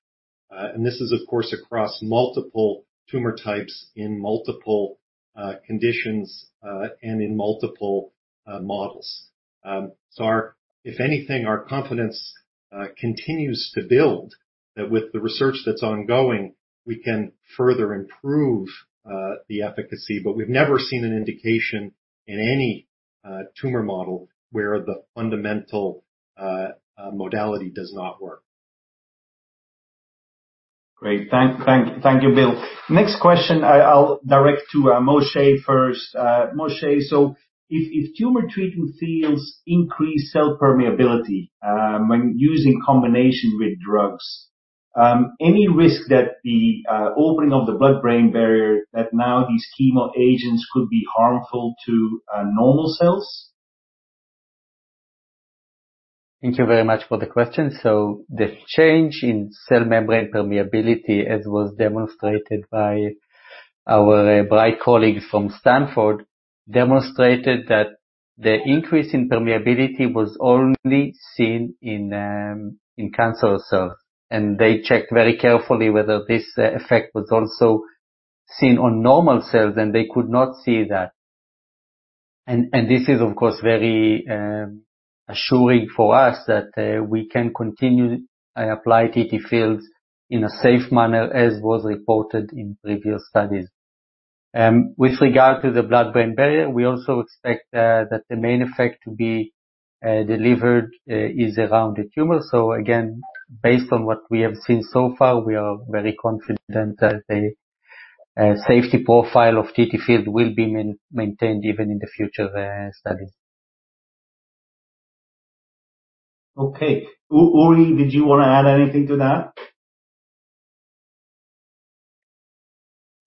This is, of course, across multiple tumor types in multiple conditions and in multiple models. If anything, our confidence continues to build that with the research that's ongoing, we can further improve the efficacy, but we've never seen an indication in any tumor model where the fundamental modality does not work. Great. Thank you, Bill. Next question, I'll direct to Moshe first. Moshe, so if Tumor Treating Fields increase cell permeability when used in combination with drugs, any risk that the opening of the blood-brain barrier, that now these chemo agents could be harmful to normal cells? Thank you very much for the question. So the change in cell membrane permeability, as was demonstrated by our bright colleagues from Stanford, demonstrated that the increase in permeability was only seen in cancer cells. And they checked very carefully whether this effect was also seen on normal cells, and they could not see that. And this is, of course, very assuring for us that we can continue to apply TTFields in a safe manner, as was reported in previous studies. With regard to the blood-brain barrier, we also expect that the main effect to be delivered is around the tumor. So again, based on what we have seen so far, we are very confident that the safety profile of TTFields will be maintained even in the future studies. Okay. Uri, did you want to add anything to that?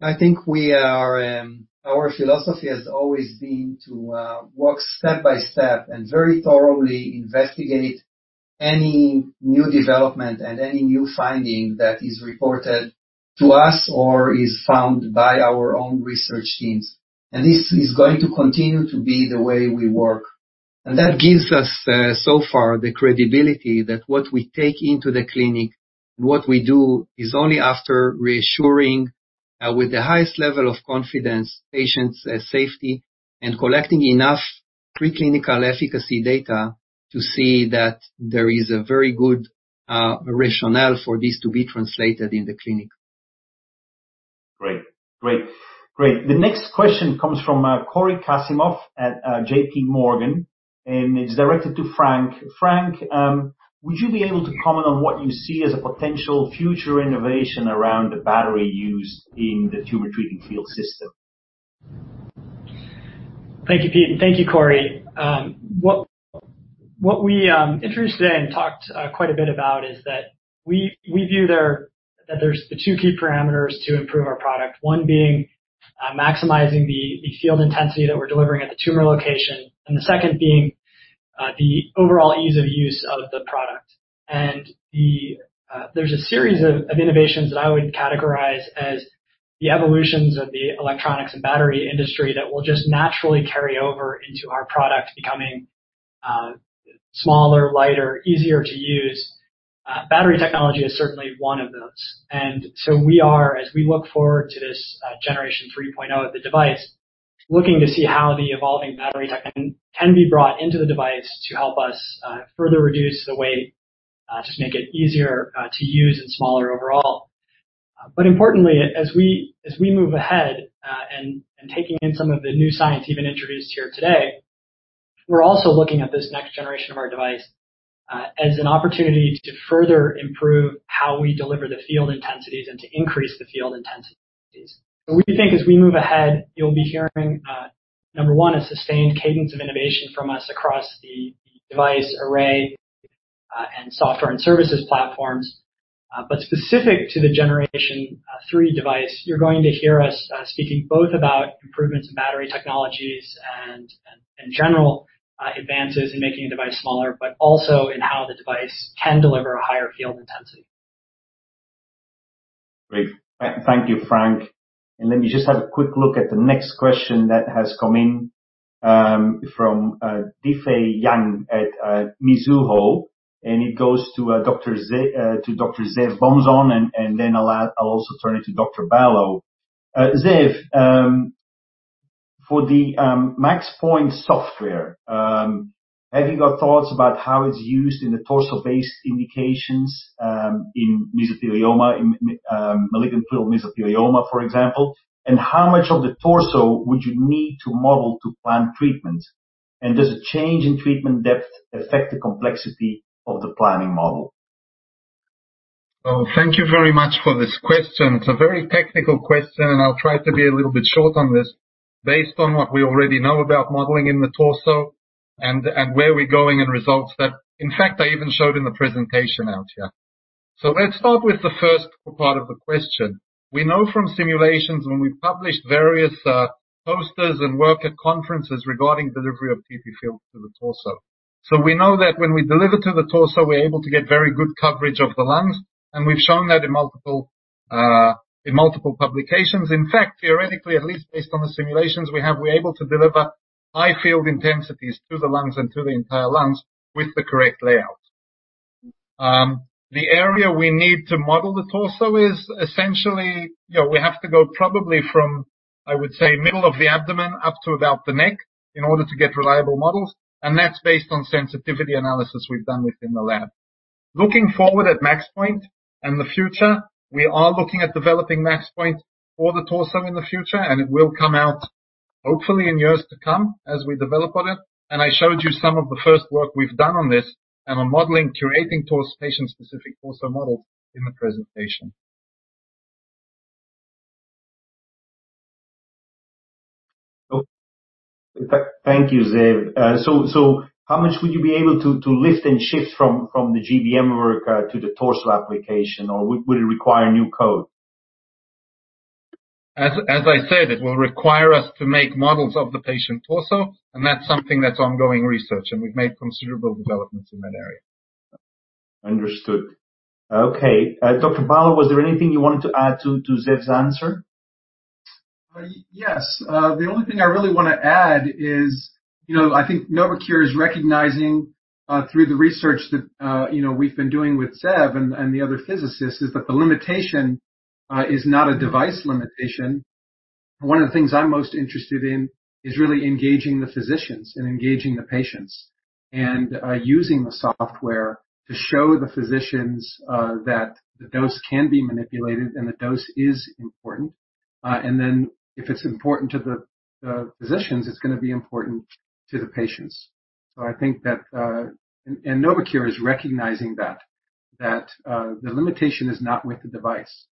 I think our philosophy has always been to work step by step and very thoroughly investigate any new development and any new finding that is reported to us or is found by our own research teams. And this is going to continue to be the way we work. And that gives us so far the credibility that what we take into the clinic and what we do is only after reassuring with the highest level of confidence patients' safety and collecting enough preclinical efficacy data to see that there is a very good rationale for this to be translated in the clinic. Great. Great. Great. The next question comes from Cory Kasimov at JPMorgan, and it's directed to Frank. Frank, would you be able to comment on what you see as a potential future innovation around the battery used in the Tumor Treating Fields system? Thank you, Pete. Thank you, Cory. What we introduced today and talked quite a bit about is that we view that there's the two key parameters to improve our product, one being maximizing the field intensity that we're delivering at the tumor location, and the second being the overall ease of use of the product, and there's a series of innovations that I would categorize as the evolutions of the electronics and battery industry that will just naturally carry over into our product, becoming smaller, lighter, easier to use. Battery technology is certainly one of those, and so we are, as we look forward to this Generation 3.0 of the device, looking to see how the evolving battery tech can be brought into the device to help us further reduce the weight, just make it easier to use and smaller overall. But importantly, as we move ahead and taking in some of the new science even introduced here today, we're also looking at this next generation of our device as an opportunity to further improve how we deliver the field intensities and to increase the field intensities. So we think as we move ahead, you'll be hearing, number one, a sustained cadence of innovation from us across the device array and software and services platforms. But specific to the Generation 3 device, you're going to hear us speaking both about improvements in battery technologies and in general advances in making a device smaller, but also in how the device can deliver a higher field intensity. Great. Thank you, Frank. And let me just have a quick look at the next question that has come in from Difei Yang at Mizuho. And it goes to Dr. Ze'ev Bomzon, and then I'll also turn it to Dr. Ballo. Ze'ev, for the MAXPOINT software, have you got thoughts about how it's used in the torso-based indications in mesothelioma, malignant pleural mesothelioma, for example? And how much of the torso would you need to model to plan treatment? And does a change in treatment depth affect the complexity of the planning model? Thank you very much for this question. It's a very technical question, and I'll try to be a little bit short on this. Based on what we already know about modeling in the torso and where we're going and results that, in fact, I even showed in the presentation out here. Let's start with the first part of the question. We know from simulations when we published various posters and work at conferences regarding delivery of TTFields to the torso. So we know that when we deliver to the torso, we're able to get very good coverage of the lungs. And we've shown that in multiple publications. In fact, theoretically, at least based on the simulations we have, we're able to deliver high field intensities to the lungs and to the entire lungs with the correct layout. The area we need to model the torso is essentially we have to go probably from, I would say, middle of the abdomen up to about the neck in order to get reliable models, and that's based on sensitivity analysis we've done within the lab. Looking forward at MAXPOINT and the future, we are looking at developing MAXPOINT for the torso in the future, and it will come out hopefully in years to come as we develop on it, and I showed you some of the first work we've done on this and on modeling, curating patient-specific torso models in the presentation. Thank you, Ze'ev. So how much would you be able to lift and shift from the GBM work to the torso application, or would it require new code? As I said, it will require us to make models of the patient torso, and that's something that's ongoing research, and we've made considerable developments in that area. Understood. Okay. Dr. Ballo, was there anything you wanted to add to Ze'ev's answer? Yes. The only thing I really want to add is I think Novocure is recognizing through the research that we've been doing with Ze'ev and the other physicists is that the limitation is not a device limitation. One of the things I'm most interested in is really engaging the physicians and engaging the patients and using the software to show the physicians that the dose can be manipulated and the dose is important. And then if it's important to the physicians, it's going to be important to the patients. So I think that, and Novocure is recognizing that, that the limitation is not with the device.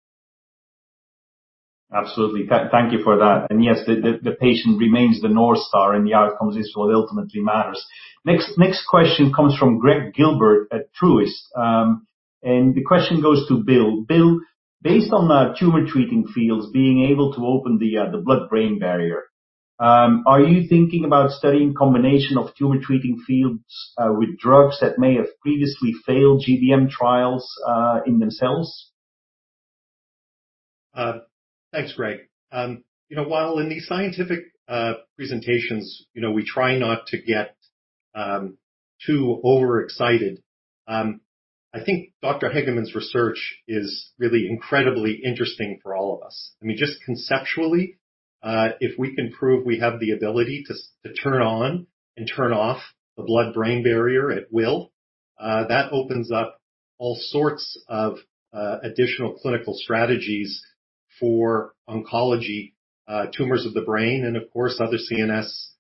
Absolutely. Thank you for that. And yes, the patient remains the North Star, and the outcomes is what ultimately matters. Next question comes from Gregg Gilbert at Truist. And the question goes to Bill. Bill, based on Tumor Treating Fields being able to open the blood-brain barrier, are you thinking about studying a combination of Tumor Treating Fields with drugs that may have previously failed GBM trials in themselves? Thanks, Gregg. While in these scientific presentations, we try not to get too overexcited. I think Dr. Hagemann's research is really incredibly interesting for all of us. I mean, just conceptually, if we can prove we have the ability to turn on and turn off the blood-brain barrier, it will. That opens up all sorts of additional clinical strategies for oncology, tumors of the brain, and of course, other CNS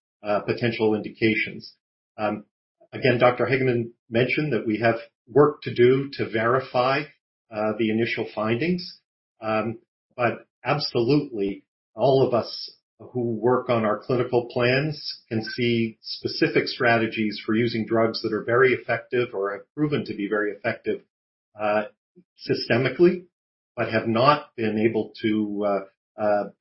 potential indications. Again, Dr. Hagemann mentioned that we have work to do to verify the initial findings. But absolutely, all of us who work on our clinical plans can see specific strategies for using drugs that are very effective or have proven to be very effective systemically, but have not been able to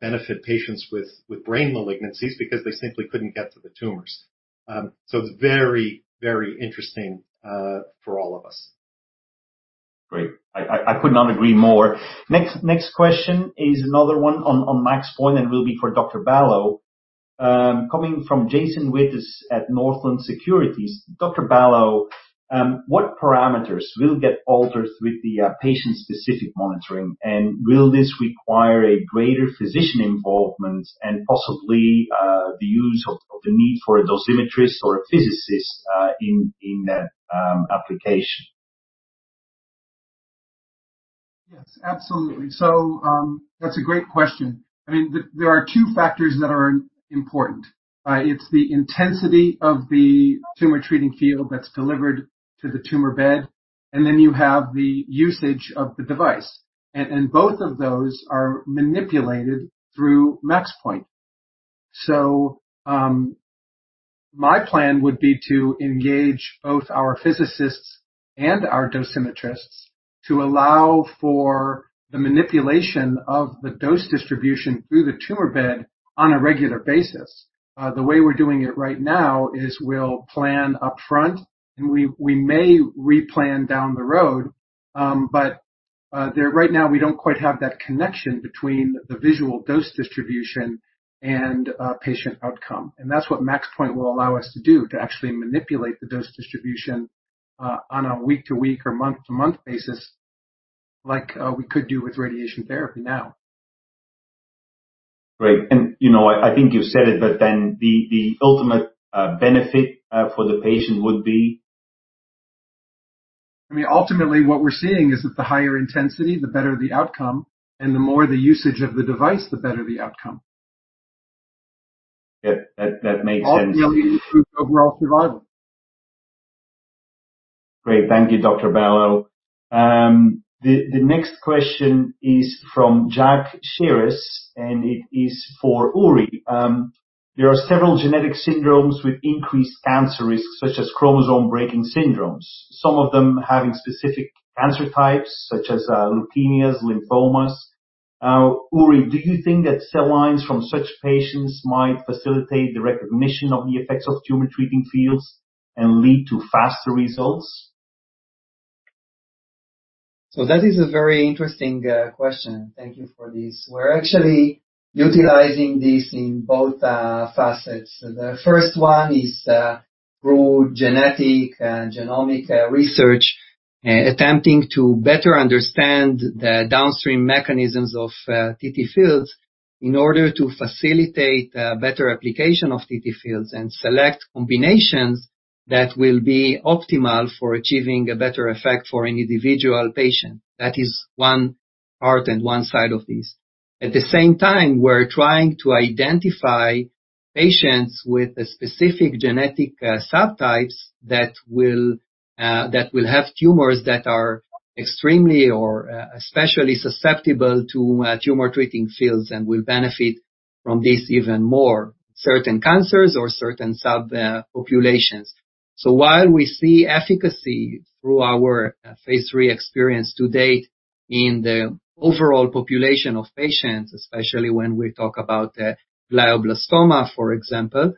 benefit patients with brain malignancies because they simply couldn't get to the tumors. So it's very, very interesting for all of us. Great. I could not agree more. Next question is another one on MAXPOINT, and it will be for Dr. Ballo. Coming from Jason Wittes at Northland Securities. Dr. Ballo, what parameters will get altered with the patient-specific monitoring, and will this require a greater physician involvement and possibly the use of the need for a dosimetrist or a physicist in that application? Yes, absolutely. So that's a great question. I mean, there are two factors that are important. It's the intensity of the tumor treating field that's delivered to the tumor bed, and then you have the usage of the device. And both of those are manipulated through MAXPOINT. So my plan would be to engage both our physicists and our dosimetrists to allow for the manipulation of the dose distribution through the tumor bed on a regular basis. The way we're doing it right now is we'll plan upfront, and we may replan down the road. But right now, we don't quite have that connection between the visual dose distribution and patient outcome. And that's what MAXPOINT will allow us to do, to actually manipulate the dose distribution on a week-to-week or month-to-month basis, like we could do with radiation therapy now. Great. And I think you've said it, but then the ultimate benefit for the patient would be? I mean, ultimately, what we're seeing is that the higher intensity, the better the outcome, and the more the usage of the device, the better the outcome. Yep. That makes sense. That will really improve overall survival. Great. Thank you, Dr. Ballo. The next question is from Jack Shearus, and it is for Uri. There are several genetic syndromes with increased cancer risk, such as chromosome-breaking syndromes, some of them having specific cancer types, such as leukemias, lymphomas. Uri, do you think that cell lines from such patients might facilitate the recognition of the effects of tumor treating fields and lead to faster results? That is a very interesting question. Thank you for this. We're actually utilizing this in both facets. The first one is through genetic genomic research, attempting to better understand the downstream mechanisms of TTFields in order to facilitate better application of TTFields and select combinations that will be optimal for achieving a better effect for an individual patient. That is one part and one side of this. At the same time, we're trying to identify patients with specific genetic subtypes that will have tumors that are extremely or especially susceptible to Tumor Treating Fields and will benefit from this even more, certain cancers or certain subpopulations. While we see efficacy through our Phase III experience to date in the overall population of patients, especially when we talk about glioblastoma, for example,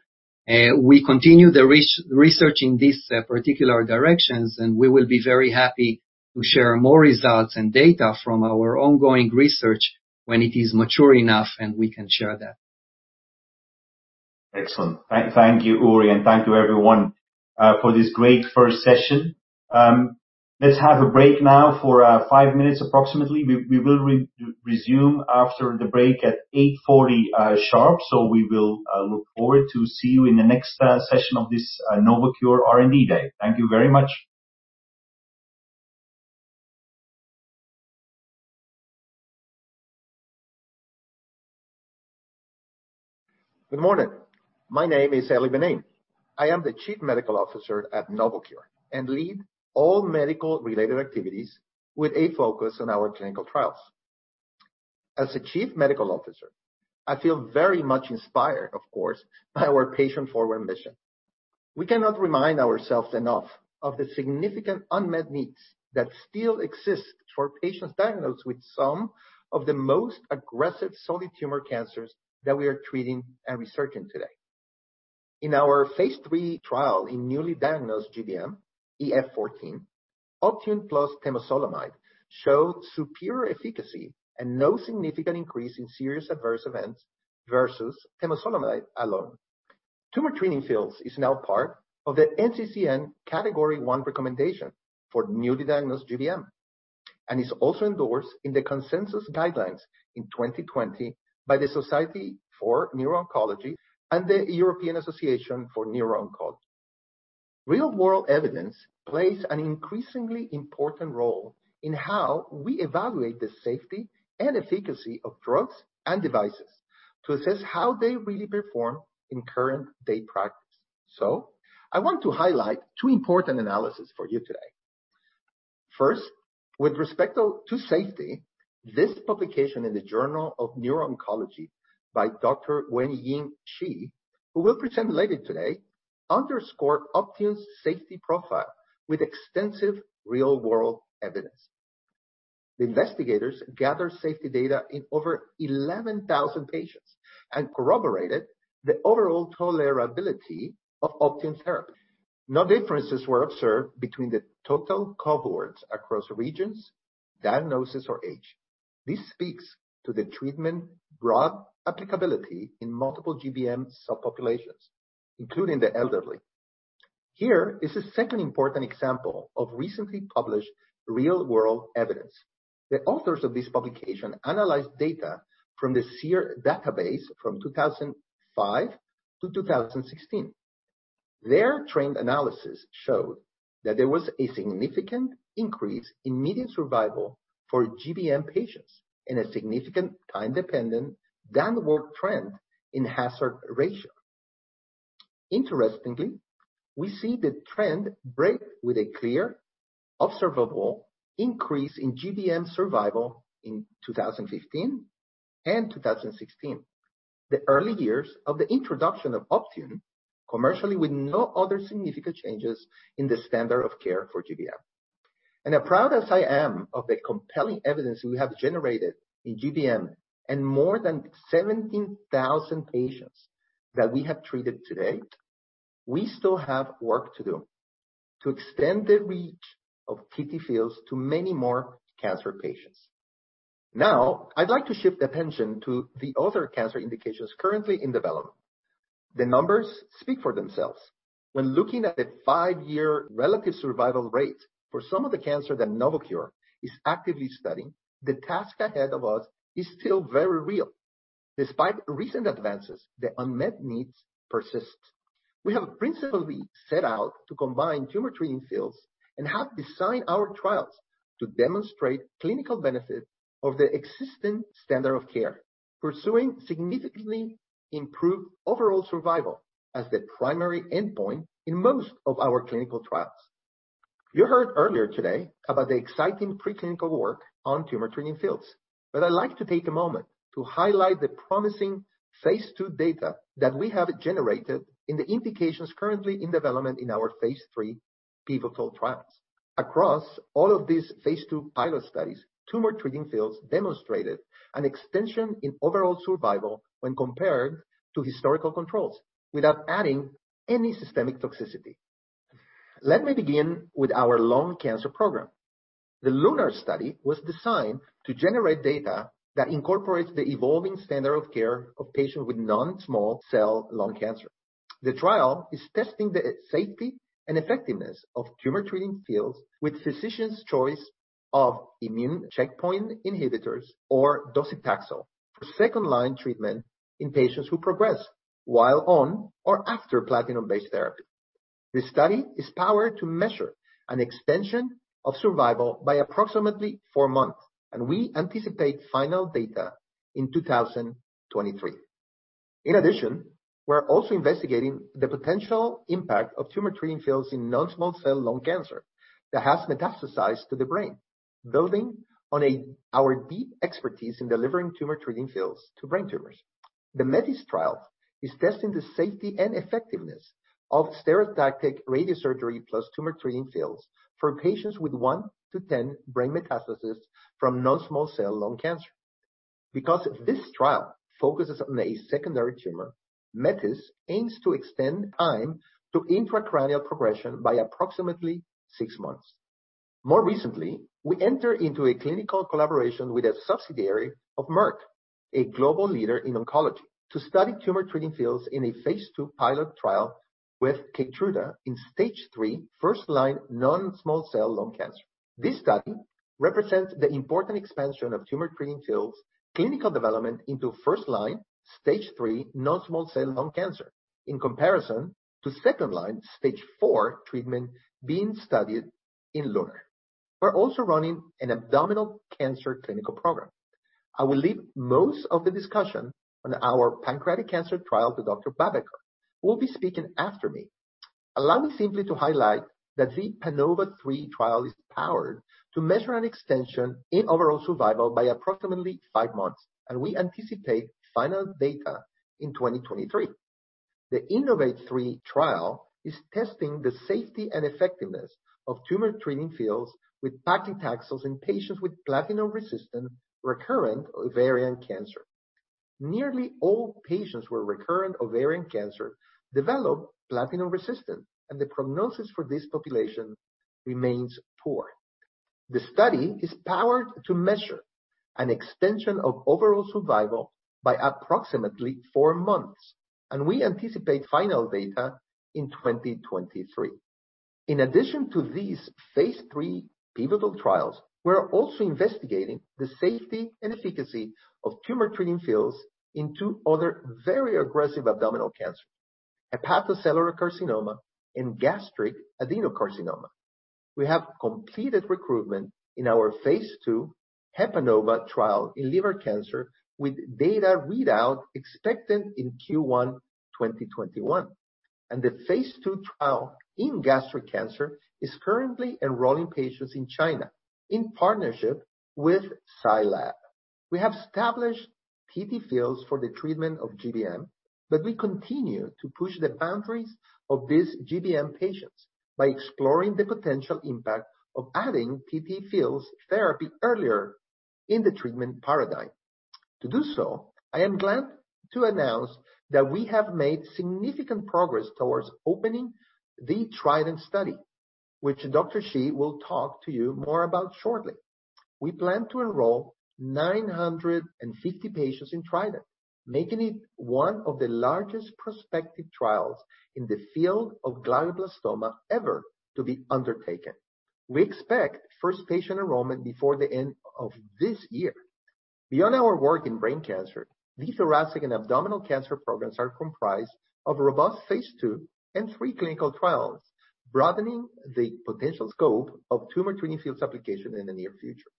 we continue the research in these particular directions, and we will be very happy to share more results and data from our ongoing research when it is mature enough, and we can share that. Excellent. Thank you, Uri, and thank you, everyone, for this great first session. Let's have a break now for five minutes approximately. We will resume after the break at 8:40 A.M. sharp, so we will look forward to see you in the next session of this Novocure R&D Day. Thank you very much. Good morning. My name is Ely Benaim. I am the Chief Medical Officer at Novocure and lead all medical-related activities with a focus on our clinical trials. As a Chief Medical Officer, I feel very much inspired, of course, by our patient-forward mission. We cannot remind ourselves enough of the significant unmet needs that still exist for patients diagnosed with some of the most aggressive solid tumor cancers that we are treating and researching today. In our Phase III trial in newly diagnosed GBM, EF-14, Optune plus temozolomide showed superior efficacy and no significant increase in serious adverse events versus temozolomide alone. Tumor Treating Fields is now part of the NCCN Category 1 recommendation for newly diagnosed GBM and is also endorsed in the consensus guidelines in 2020 by the Society for Neuro-Oncology and the European Association of Neuro-Oncology. Real-world evidence plays an increasingly important role in how we evaluate the safety and efficacy of drugs and devices to assess how they really perform in current-day practice. So I want to highlight two important analyses for you today. First, with respect to safety, this publication in the Journal of Neuro-Oncology by Dr. Wenyin Shi, who will present later today, underscores Optune's safety profile with extensive real-world evidence. The investigators gathered safety data in over 11,000 patients and corroborated the overall tolerability of Optune therapy. No differences were observed between the total cohorts across regions, diagnosis, or age. This speaks to the treatment's broad applicability in multiple GBM subpopulations, including the elderly. Here is a second important example of recently published real-world evidence. The authors of this publication analyzed data from the SEER database from 2005 to 2016. Their trained analysis showed that there was a significant increase in median survival for GBM patients and a significant time-dependent downward trend in hazard ratio. Interestingly, we see the trend break with a clear, observable increase in GBM survival in 2015 and 2016, the early years of the introduction of Optune, commercially with no other significant changes in the standard of care for GBM. And proud as I am of the compelling evidence we have generated in GBM and more than 17,000 patients that we have treated today, we still have work to do to extend the reach of TTFields to many more cancer patients. Now, I'd like to shift attention to the other cancer indications currently in development. The numbers speak for themselves. When looking at the five-year relative survival rate for some of the cancers that Novocure is actively studying, the task ahead of us is still very real. Despite recent advances, the unmet needs persist. We have principally set out to combine Tumor Treating Fields and have designed our trials to demonstrate clinical benefit of the existing standard of care, pursuing significantly improved overall survival as the primary endpoint in most of our clinical trials. You heard earlier today about the exciting preclinical work on Tumor Treating Fields, but I'd like to take a moment to highlight the promising Phase II data that we have generated in the indications currently in development in our Phase III pivotal trials. Across all of these Phase II pilot studies, Tumor Treating Fields demonstrated an extension in overall survival when compared to historical controls without adding any systemic toxicity. Let me begin with our lung cancer program. The LUNAR study was designed to generate data that incorporates the evolving standard of care of patients with non-small cell lung cancer. The trial is testing the safety and effectiveness of Tumor Treating Fields with physicians' choice of immune checkpoint inhibitors or docetaxel for second-line treatment in patients who progress while on or after platinum-based therapy. The study is powered to measure an extension of survival by approximately four months, and we anticipate final data in 2023. In addition, we're also investigating the potential impact of Tumor Treating Fields in non-small cell lung cancer that has metastasized to the brain, building on our deep expertise in delivering Tumor Treating Fields to brain tumors. The METIS trial is testing the safety and effectiveness of stereotactic radiosurgery plus Tumor Treating Fields for patients with 1-10 brain metastases from non-small cell lung cancer. Because this trial focuses on a secondary tumor, METIS aims to extend time to intracranial progression by approximately six months. More recently, we entered into a clinical collaboration with a subsidiary of Merck, a global leader in oncology, to study Tumor Treating Fields in a Phase II pilot trial with Keytruda in stage 3 first-line non-small cell lung cancer. This study represents the important expansion of Tumor Treating Fields' clinical development into first-line, stage 3 non-small cell lung cancer in comparison to second-line, stage 4 treatment being studied in LUNAR. We're also running an abdominal cancer clinical program. I will leave most of the discussion on our pancreatic cancer trial to Dr. Babiker. We'll be speaking after me. Allow me simply to highlight that the PANOVA-3 trial is powered to measure an extension in overall survival by approximately five months, and we anticipate final data in 2023. The INNOVATE-3 trial is testing the safety and effectiveness of Tumor Treating Fields with paclitaxel in patients with platinum-resistant recurrent ovarian cancer. Nearly all patients with recurrent ovarian cancer develop platinum-resistant, and the prognosis for this population remains poor. The study is powered to measure an extension of overall survival by approximately four months, and we anticipate final data in 2023. In addition to these Phase III pivotal trials, we're also investigating the safety and efficacy of Tumor Treating Fields in two other very aggressive abdominal cancers, hepatocellular carcinoma and gastric adenocarcinoma. We have completed recruitment in our Phase II HEPANOVA trial in liver cancer with data readout expected in Q1 2021. And the Phase II trial in gastric cancer is currently enrolling patients in China in partnership with Zai Lab. We have established TTFields for the treatment of GBM, but we continue to push the boundaries of these GBM patients by exploring the potential impact of adding TTFields therapy earlier in the treatment paradigm. To do so, I am glad to announce that we have made significant progress towards opening the TRIDENT study, which Dr. Shi will talk to you more about shortly. We plan to enroll 950 patients in TRIDENT, making it one of the largest prospective trials in the field of glioblastoma ever to be undertaken. We expect first patient enrollment before the end of this year. Beyond our work in brain cancer, the thoracic and abdominal cancer programs are comprised of robust Phase II and III clinical trials, broadening the potential scope of tumor treating fields application in the near future.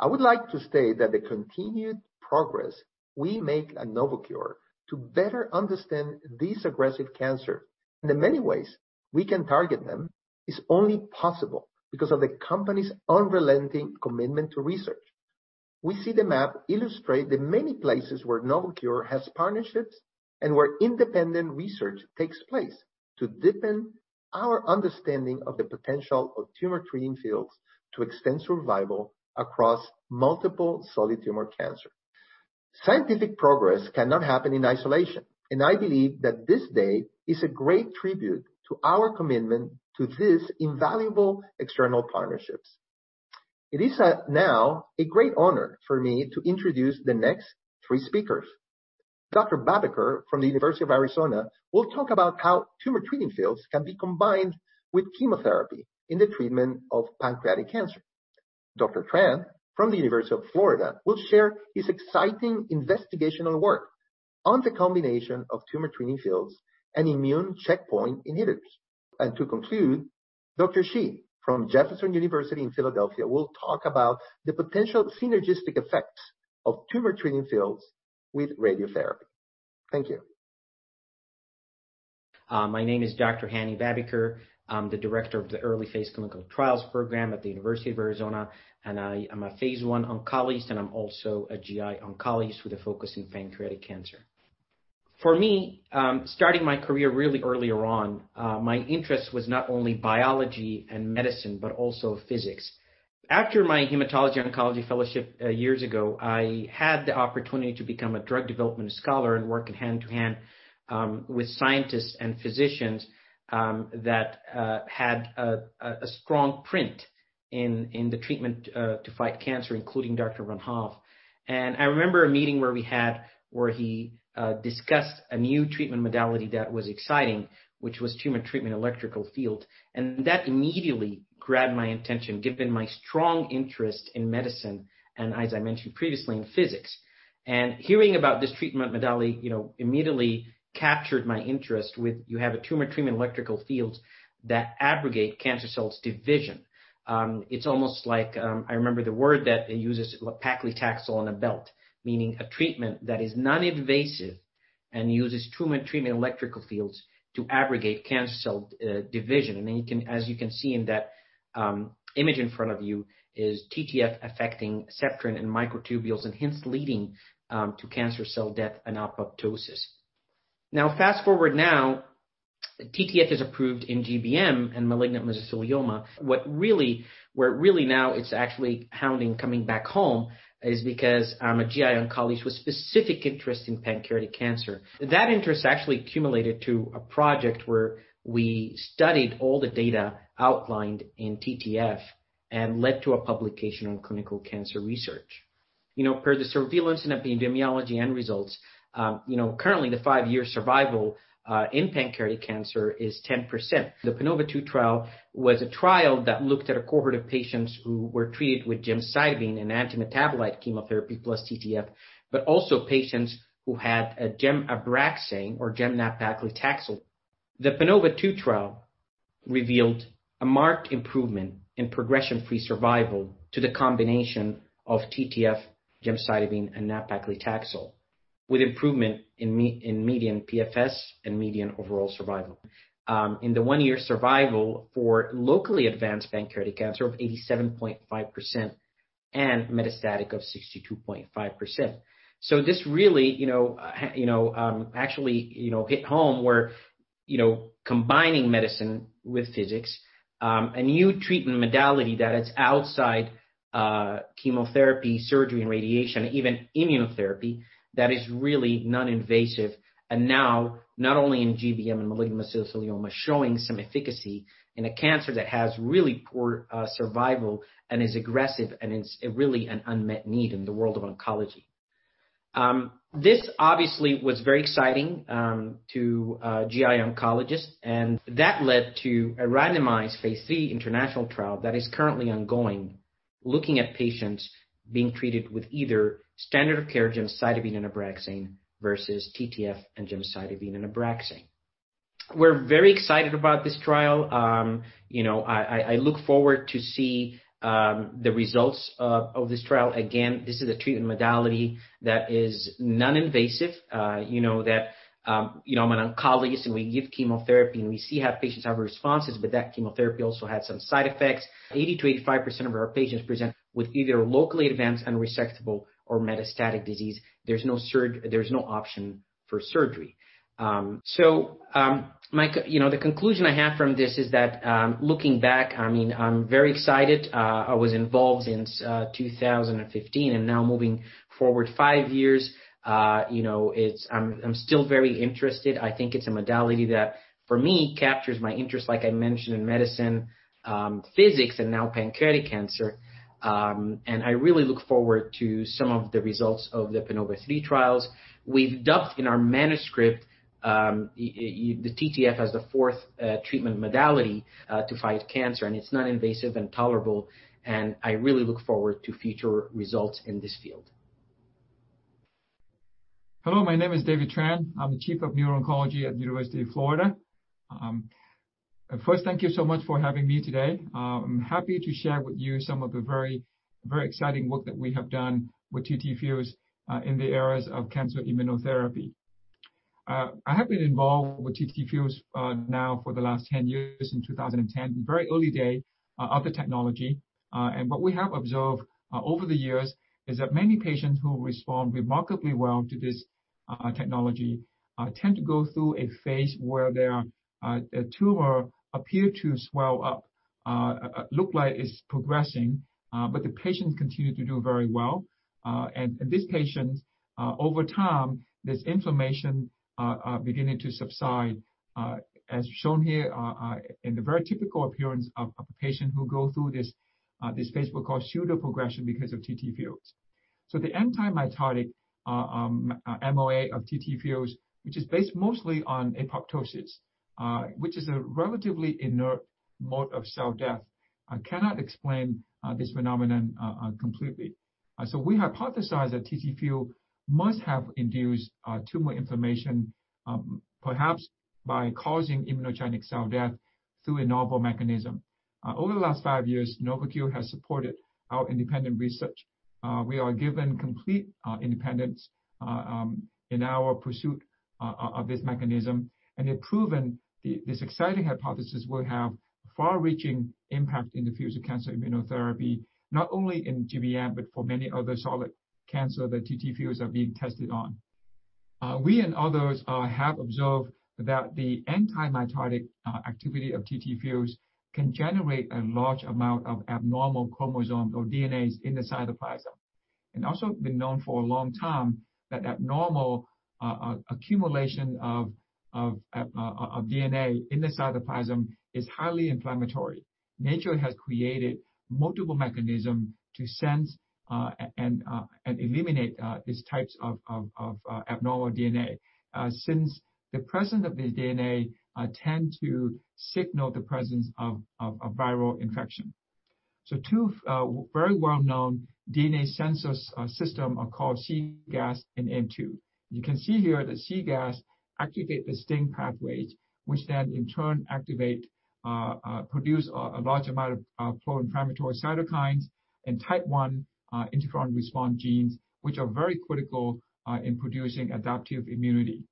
I would like to state that the continued progress we make at Novocure to better understand these aggressive cancers and the many ways we can target them is only possible because of the company's unrelenting commitment to research. We see the map illustrate the many places where Novocure has partnerships and where independent research takes place to deepen our understanding of the potential of tumor treating fields to extend survival across multiple solid tumor cancers. Scientific progress cannot happen in isolation, and I believe that this day is a great tribute to our commitment to these invaluable external partnerships. It is now a great honor for me to introduce the next three speakers. Dr. Babiker from the University of Arizona will talk about how tumor treating fields can be combined with chemotherapy in the treatment of pancreatic cancer. Dr. Tran from the University of Florida will share his exciting investigational work on the combination of tumor treating fields and immune checkpoint inhibitors. And to conclude, Dr. Shi from Jefferson University in Philadelphia will talk about the potential synergistic effects of tumor treating fields with radiotherapy. Thank you. My name is Dr. Hani Babiker. I'm the Director of the Early Phase Clinical Trials Program at the University of Arizona, and I am a Phase I oncologist, and I'm also a GI oncologist with a focus in pancreatic cancer. For me, starting my career really earlier on, my interest was not only biology and medicine, but also physics. After my hematology oncology fellowship years ago, I had the opportunity to become a drug development scholar and work hand in hand with scientists and physicians that had a strong imprint in the treatment to fight cancer, including Dr. Von Hoff. I remember a meeting where he discussed a new treatment modality that was exciting, which was Tumor Treating Fields, and that immediately grabbed my attention given my strong interest in medicine and, as I mentioned previously, in physics. Hearing about this treatment modality, you know, immediately captured my interest when you have Tumor Treating Fields that affect cancer cell division. It's almost like I remember the word that uses paclitaxel on a belt, meaning a treatment that is non-invasive and uses Tumor Treating Fields to affect cancer cell division. And then you can, as you can see in that image in front of you, is TTF affecting septins and microtubules and hence leading to cancer cell death and apoptosis. Now, fast forward now, TTF is approved in GBM and malignant mesothelioma. What really now it's actually coming back home is because I'm a GI oncologist with specific interest in pancreatic cancer. That interest actually accumulated to a project where we studied all the data outlined in TTF and led to a publication on Clinical Cancer Research. You know, per the Surveillance, Epidemiology, and End Results, you know, currently the five-year survival in pancreatic cancer is 10%. The PANOVA-2 trial was a trial that looked at a cohort of patients who were treated with gemcitabine and antimetabolite chemotherapy plus TTF, but also patients who had an Abraxane or gemcitabine nab-paclitaxel. The PANOVA-2 trial revealed a marked improvement in progression-free survival to the combination of TTF, gemcitabine, and nab-paclitaxel with improvement in median PFS and median overall survival. In the one-year survival for locally advanced pancreatic cancer of 87.5% and metastatic of 62.5%. So this really, you know, actually, hit home where combining medicine with physics, a new treatment modality that is outside chemotherapy, surgery, and radiation, even immunotherapy, that is really non-invasive and now not only in GBM and malignant mesothelioma showing some efficacy in a cancer that has really poor survival and is aggressive and is really an unmet need in the world of oncology. This obviously was very exciting to GI oncologists, and that led to a randomized Phase III international trial that is currently ongoing looking at patients being treated with either standard of care gemcitabine and Abraxane versus TTF and gemcitabine and Abraxane. We're very excited about this trial. You know, I look forward to seeing the results of this trial. Again, this is a treatment modality that is non-invasive. You know, you know, I'm an oncologist and we give chemotherapy and we see how patients have responses, but that chemotherapy also had some side effects. 80%-85% of our patients present with either locally advanced and resectable or metastatic disease. There's no surgery, there's no option for surgery. So, you know, the conclusion I have from this is that looking back, I mean, I'm very excited. I was involved in 2015 and now moving forward five years, you know, it's, I'm still very interested. I think it's a modality that for me captures my interest, like I mentioned in medicine, physics, and now pancreatic cancer. And I really look forward to some of the results of the PANOVA-3 trials. We've dubbed in our manuscript the TTF as the fourth treatment modality to fight cancer, and it's non-invasive and tolerable. I really look forward to future results in this field. Hello, my name is David Tran. I'm the Chief of Neuro-Oncology at the University of Florida. First, thank you so much for having me today. I'm happy to share with you some of the very, very exciting work that we have done with TTFields in the areas of cancer immunotherapy. I have been involved with TTFields now for the last 10 years since 2010, the very early day of the technology. And what we have observed over the years is that many patients who respond remarkably well to this technology tend to go through a phase where their tumor appears to swell up, look like it's progressing, but the patient continues to do very well. In this patient, over time, this inflammation is beginning to subside, as shown here in the very typical appearance of a patient who goes through this phase we call pseudoprogression because of TTFields. So the antimitotic MOA of TTFields, which is based mostly on apoptosis, which is a relatively inert mode of cell death, cannot explain this phenomenon completely. So we hypothesize that TTFields must have induced tumor inflammation, perhaps by causing immunogenic cell death through a novel mechanism. Over the last five years, Novocure has supported our independent research. We are given complete independence in our pursuit of this mechanism, and it's proven this exciting hypothesis will have a far-reaching impact in the future cancer immunotherapy, not only in GBM, but for many other solid cancers that TTFields are being tested on. We and others have observed that the antimitotic activity of TTFields can generate a large amount of abnormal chromosomes or DNAs in the cytoplasm. It's also been known for a long time that abnormal accumulation of DNA in the cytoplasm is highly inflammatory. Nature has created multiple mechanisms to sense and eliminate these types of abnormal DNA since the presence of this DNA tends to signal the presence of a viral infection. Two very well-known DNA sensor systems are called cGAS and AIM2. You can see here that cGAS activates the STING pathway, which then in turn activates and produces a large amount of pro-inflammatory cytokines and type I interferon response genes, which are very critical in producing adaptive immunity.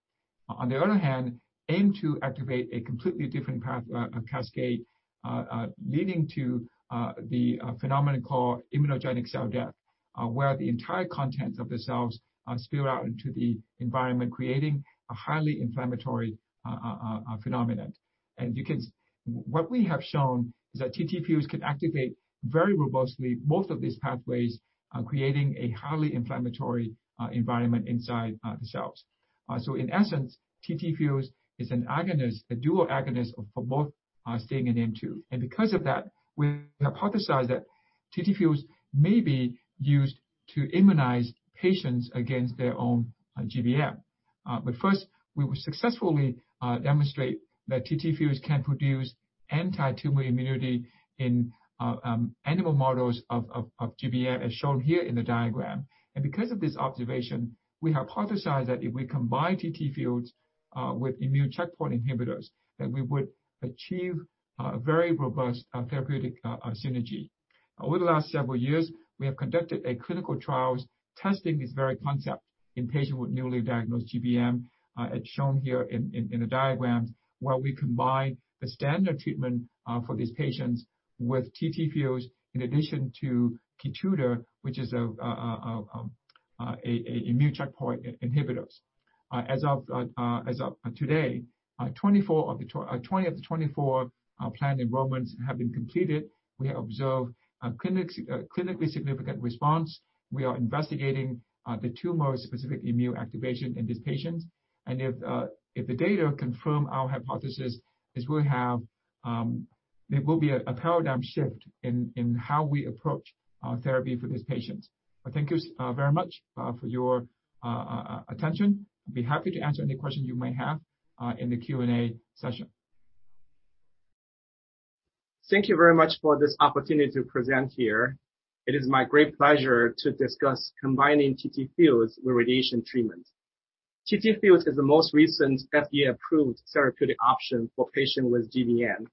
On the other hand, AIM2 activates a completely different pathway cascade leading to the phenomenon called immunogenic cell death, where the entire contents of the cells spill out into the environment, creating a highly inflammatory phenomenon. What we have shown is that TTFields can activate very robustly both of these pathways, creating a highly inflammatory environment inside the cells. In essence, TTFields is an agonist, a dual agonist for both STING and AIM2. Because of that, we hypothesize that TTFields may be used to immunize patients against their own GBM. First, we will successfully demonstrate that TTFields can produce anti-tumor immunity in animal models of GBM, as shown here in the diagram. Because of this observation, we hypothesize that if we combine TTFields with immune checkpoint inhibitors, that we would achieve a very robust therapeutic synergy. Over the last several years, we have conducted clinical trials testing this very concept in patients with newly diagnosed GBM, as shown here in the diagrams, where we combine the standard treatment for these patients with TTFields in addition to Keytruda, which is an immune checkpoint inhibitor. As of today, 20 of the 24 planned enrollments have been completed. We have observed a clinically significant response. We are investigating the tumor-specific immune activation in these patients, and if the data confirm our hypothesis, it will have a paradigm shift in how we approach therapy for these patients. Thank you very much for your attention. I'd be happy to answer any questions you may have in the Q&A session. Thank you very much for this opportunity to present here. It is my great pleasure to discuss combining TTFields with radiation treatment. TTFields is the most recent FDA-approved therapeutic option for patients with GBM.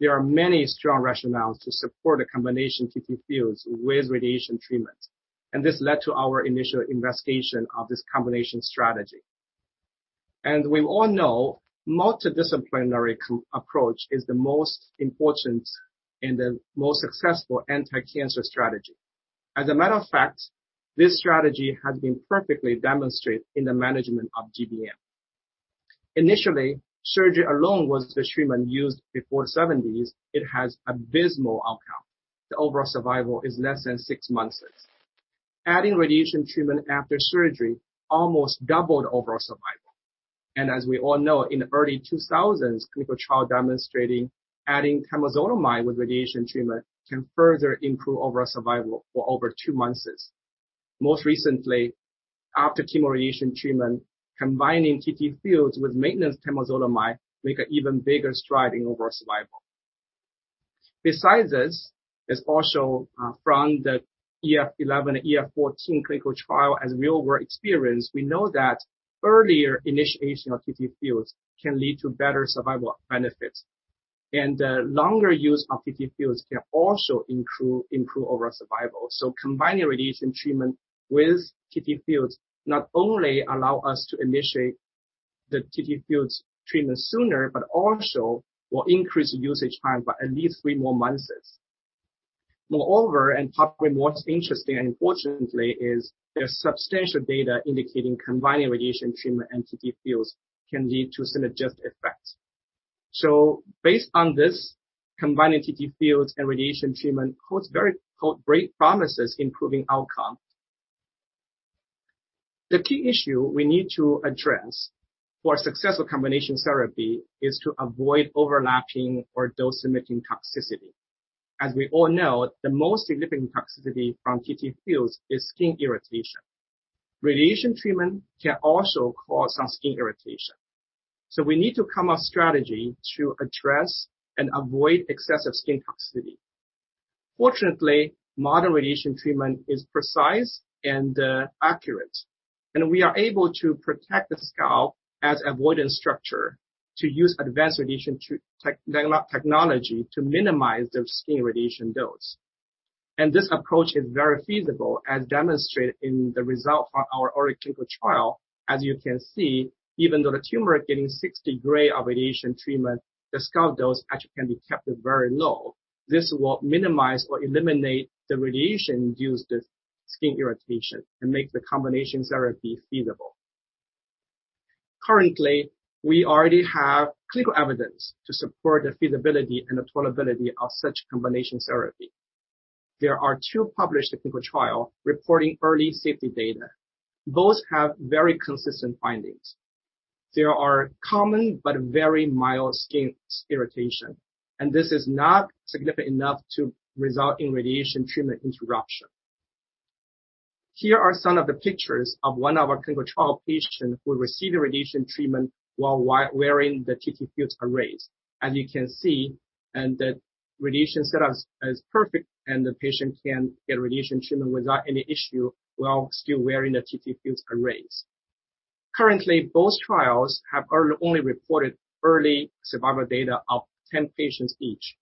There are many strong rationales to support a combination of TTFields with radiation treatment, and this led to our initial investigation of this combination strategy, and we all know multidisciplinary approach is the most important and the most successful anti-cancer strategy. As a matter of fact, this strategy has been perfectly demonstrated in the management of GBM. Initially, surgery alone was the treatment used before. The 1970s, it has abysmal outcome. The overall survival is less than six months. Adding radiation treatment after surgery almost doubled overall survival. And as we all know, in the early 2000s, clinical trials demonstrated adding temozolomide with radiation treatment can further improve overall survival for over two months. Most recently, after chemoradiation treatment, combining TTFields with maintenance temozolomide makes an even bigger stride in overall survival. Besides this, there's also from the EF-11 and EF-14 clinical trials, as real-world experience, we know that earlier initiation of TTFields can lead to better survival benefits. And the longer use of TTFields can also improve overall survival. So combining radiation treatment with TTFields not only allows us to initiate the TTFields treatment sooner, but also will increase usage time by at least three more months. Moreover, and probably most interesting and importantly, is there's substantial data indicating combining radiation treatment and TTFields can lead to synergistic effects. So based on this, combining TTFields and radiation treatment holds very great promises in improving outcomes. The key issue we need to address for successful combination therapy is to avoid overlapping or dose-limiting toxicity. As we all know, the most significant toxicity from TTFields is skin irritation. Radiation treatment can also cause some skin irritation. So we need to come up with a strategy to address and avoid excessive skin toxicity. Fortunately, modern radiation treatment is precise and accurate, and we are able to protect the scalp as avoidance structure to use advanced radiation technology to minimize the skin radiation dose. And this approach is very feasible, as demonstrated in the result from our early clinical trial. As you can see, even though the tumor is getting 60 gray of radiation treatment, the scalp dose actually can be kept very low. This will minimize or eliminate the radiation-induced skin irritation and make the combination therapy feasible. Currently, we already have clinical evidence to support the feasibility and the tolerability of such combination therapy. There are two published clinical trials reporting early safety data. Both have very consistent findings. There are common but very mild skin irritation, and this is not significant enough to result in radiation treatment interruption. Here are some of the pictures of one of our clinical trial patients who received radiation treatment while wearing the TTFields arrays. As you can see, the radiation setup is perfect, and the patient can get radiation treatment without any issue while still wearing the TTFields arrays. Currently, both trials have only reported early survival data of 10 patients each,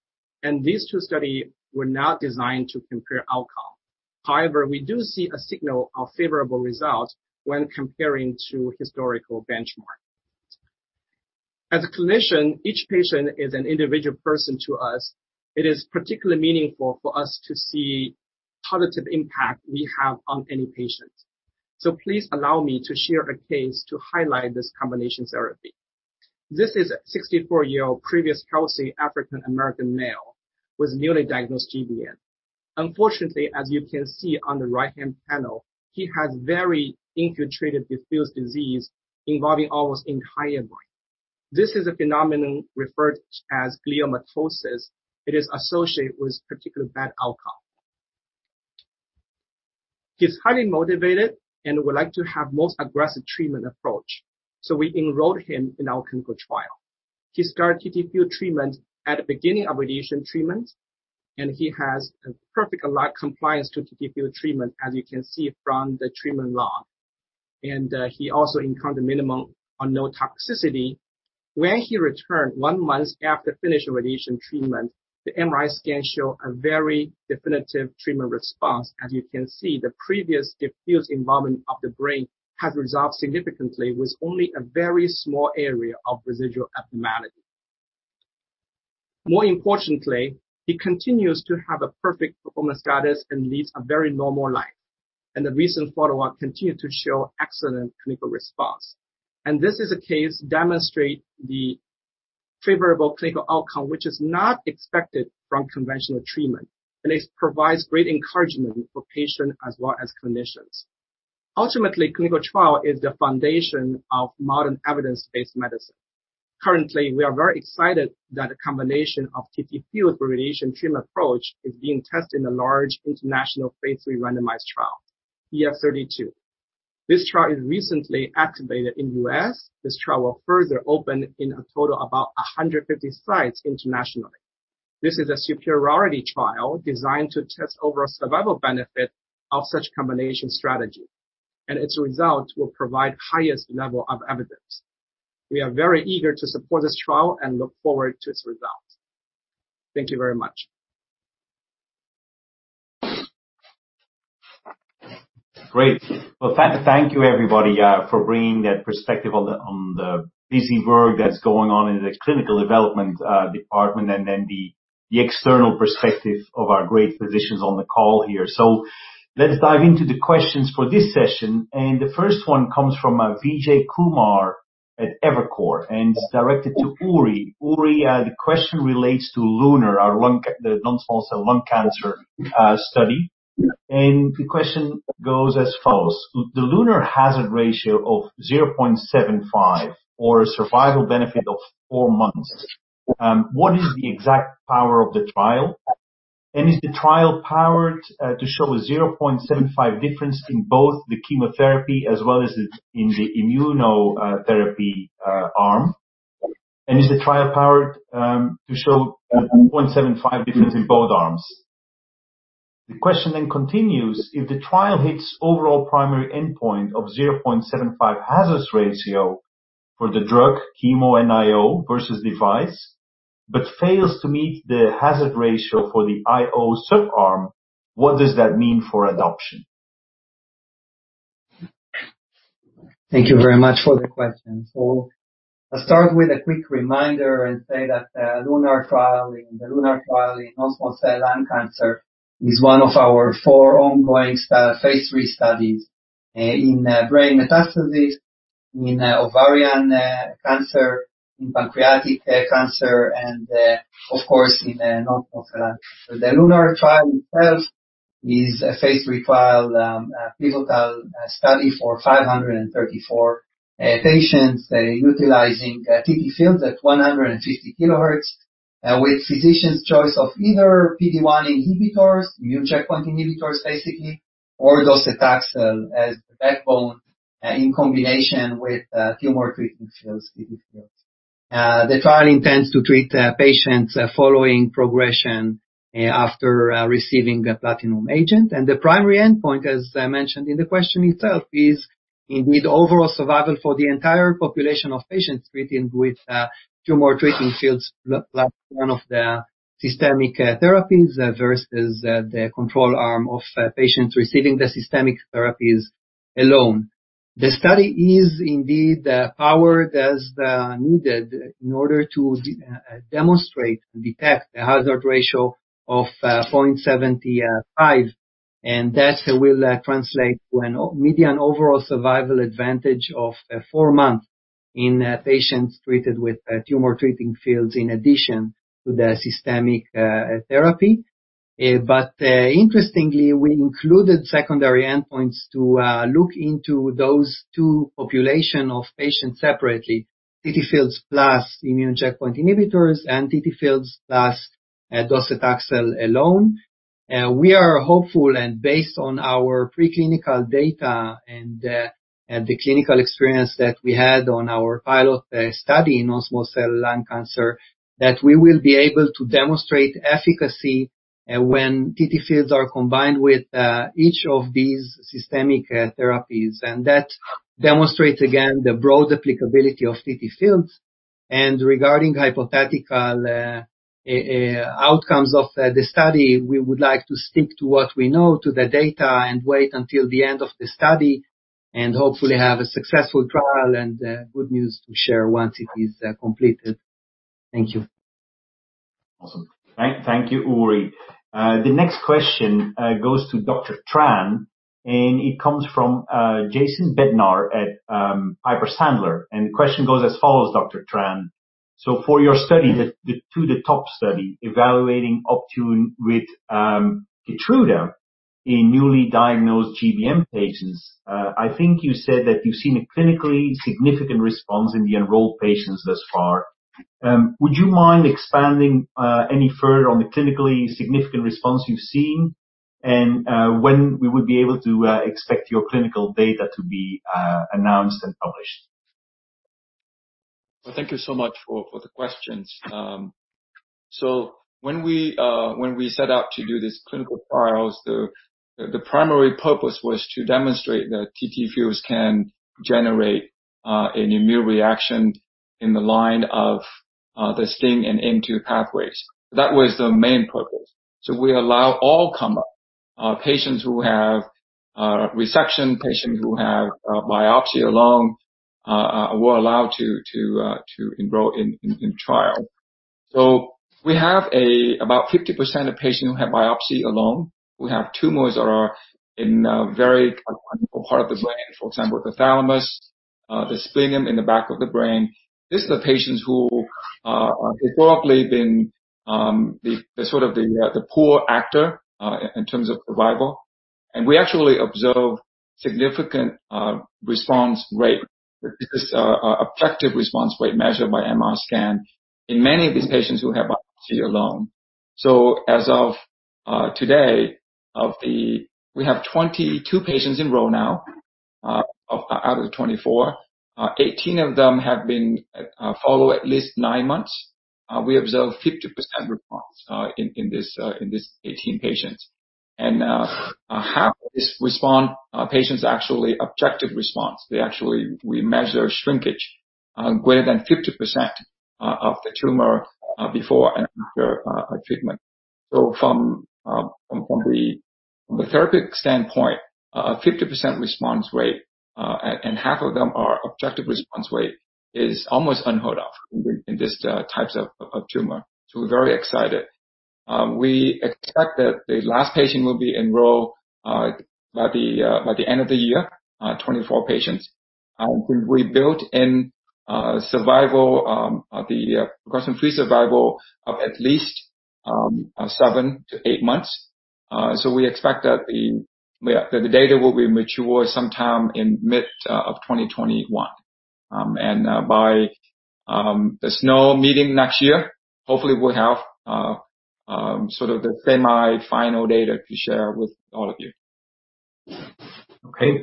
and these two studies were not designed to compare outcomes. However, we do see a signal of favorable results when comparing to historical benchmarks. As a clinician, each patient is an individual person to us. It is particularly meaningful for us to see the positive impact we have on any patient. So please allow me to share a case to highlight this combination therapy. This is a 64-year-old previously healthy African American male with newly diagnosed GBM. Unfortunately, as you can see on the right-hand panel, he has very infiltrated diffuse disease involving almost the entire body. This is a phenomenon referred to as gliomatosis. It is associated with particularly bad outcomes. He's highly motivated and would like to have the most aggressive treatment approach. So we enrolled him in our clinical trial. He started TTFields treatment at the beginning of radiation treatment, and he has perfect compliance to TTFields treatment, as you can see from the treatment log, and he also encountered minimal or no toxicity. When he returned one month after finishing radiation treatment, the MRI scan showed a very definitive treatment response. As you can see, the previous diffuse involvement of the brain has resolved significantly with only a very small area of residual abnormality. More importantly, he continues to have a perfect performance status and leads a very normal life, and the recent follow-up continues to show excellent clinical response, and this is a case that demonstrates the favorable clinical outcome, which is not expected from conventional treatment, and it provides great encouragement for patients as well as clinicians. Ultimately, clinical trial is the foundation of modern evidence-based medicine. Currently, we are very excited that the combination of TTFields with radiation treatment approach is being tested in a large international Phase III randomized trial, EF-32. This trial is recently activated in the U.S. This trial will further open in a total of about 150 sites internationally. This is a superiority trial designed to test overall survival benefit of such combination strategy, and its result will provide the highest level of evidence. We are very eager to support this trial and look forward to its results. Thank you very much. Great. Thank you, everybody, for bringing that perspective on the busy work that's going on in the clinical development department and then the external perspective of our great physicians on the call here. Let's dive into the questions for this session. The first one comes from Vijay Kumar at Evercore ISI and is directed to Uri. Uri, the question relates to LUNAR, the non-small cell lung cancer study. The question goes as follows: The LUNAR hazard ratio of 0.75 or a survival benefit of four months, what is the exact power of the trial? And is the trial powered to show a 0.75 difference in both the chemotherapy as well as in the immunotherapy arm? And is the trial powered to show a 0.75 difference in both arms? The question then continues: If the trial hits the overall primary endpoint of 0.75 hazard ratio for the drug chemo and IO versus device, but fails to meet the hazard ratio for the IO subarm, what does that mean for adoption? Thank you very much for the question. I'll start with a quick reminder and say that the LUNAR trial in non-small cell lung cancer is one of our four ongoing Phase III studies in brain metastasis, in ovarian cancer, in pancreatic cancer, and of course, in non-small cell lung cancer. The LUNAR trial itself is a Phase III trial pivotal study for 534 patients utilizing TTFields at 150 kHz with physicians' choice of either PD-1 inhibitors, immune checkpoint inhibitors basically, or docetaxel as the backbone in combination with tumor treating fields, TTFields. The trial intends to treat patients following progression after receiving the platinum agent. The primary endpoint, as mentioned in the question itself, is indeed overall survival for the entire population of patients treated with tumor treating fields plus one of the systemic therapies versus the control arm of patients receiving the systemic therapies alone. The study is indeed powered as needed in order to demonstrate and detect the hazard ratio of 0.75. And that will translate to a median overall survival advantage of four months in patients treated with Tumor Treating Fields in addition to the systemic therapy. But interestingly, we included secondary endpoints to look into those two populations of patients separately: TTFields plus immune checkpoint inhibitors and TTFields plus docetaxel alone. We are hopeful, and based on our preclinical data and the clinical experience that we had on our pilot study in non-small cell lung cancer, that we will be able to demonstrate efficacy when TTFields are combined with each of these systemic therapies. And that demonstrates again the broad applicability of TTFields. Regarding hypothetical outcomes of the study, we would like to stick to what we know, to the data, and wait until the end of the study and hopefully have a successful trial and good news to share once it is completed. Thank you. Awesome. Thank you, Uri. The next question goes to Dr. Tran, and it comes from Jason Bednar at Piper Sandler. And the question goes as follows, Dr. Tran: So for your study, 2-THE-TOP study evaluating Optune with Keytruda in newly diagnosed GBM patients, I think you said that you've seen a clinically significant response in the enrolled patients thus far. Would you mind expanding any further on the clinically significant response you've seen and when we would be able to expect your clinical data to be announced and published? Thank you so much for the questions. When we set out to do these clinical trials, the primary purpose was to demonstrate that TTFields can generate an immune reaction in the line of the STING and AIM2 pathways. That was the main purpose. We allow all patients who have resection, patients who have biopsy alone, we're allowed to enroll in the trial. We have about 50% of patients who have biopsy alone, who have tumors that are in a very critical part of the brain, for example, the thalamus, the splenium in the back of the brain. These are the patients who historically have been sort of the poor actor in terms of survival. We actually observe a significant response rate, effective response rate measured by MR scan in many of these patients who have biopsy alone. So as of today, we have 22 patients enrolled now out of the 24. 18 of them have been followed at least nine months. We observed 50% response in these 18 patients. And half of these responding patients actually have objective response. We actually measure shrinkage greater than 50% of the tumor before and after treatment. So from the therapeutic standpoint, a 50% response rate and half of them are objective response rate is almost unheard of in these types of tumor. So we're very excited. We expect that the last patient will be enrolled by the end of the year, 24 patients. And we built in survival, the progression-free survival of at least seven to eight months. So we expect that the data will be mature sometime in mid-2021. By the SNO meeting next year, hopefully, we'll have sort of the semi-final data to share with all of you. Okay.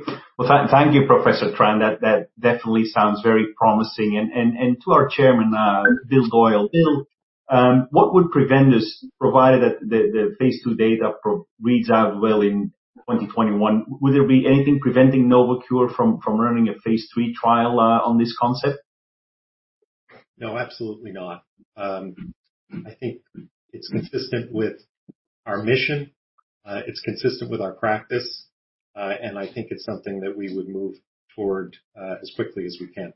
Thank you, Professor Tran. That definitely sounds very promising. To our Chairman, Bill Doyle, Bill, what would prevent us, provided that the Phase II data reads out well in 2021, would there be anything preventing Novocure from running a Phase III trial on this concept? No, absolutely not. I think it's consistent with our mission. It's consistent with our practice. And I think it's something that we would move toward as quickly as we can.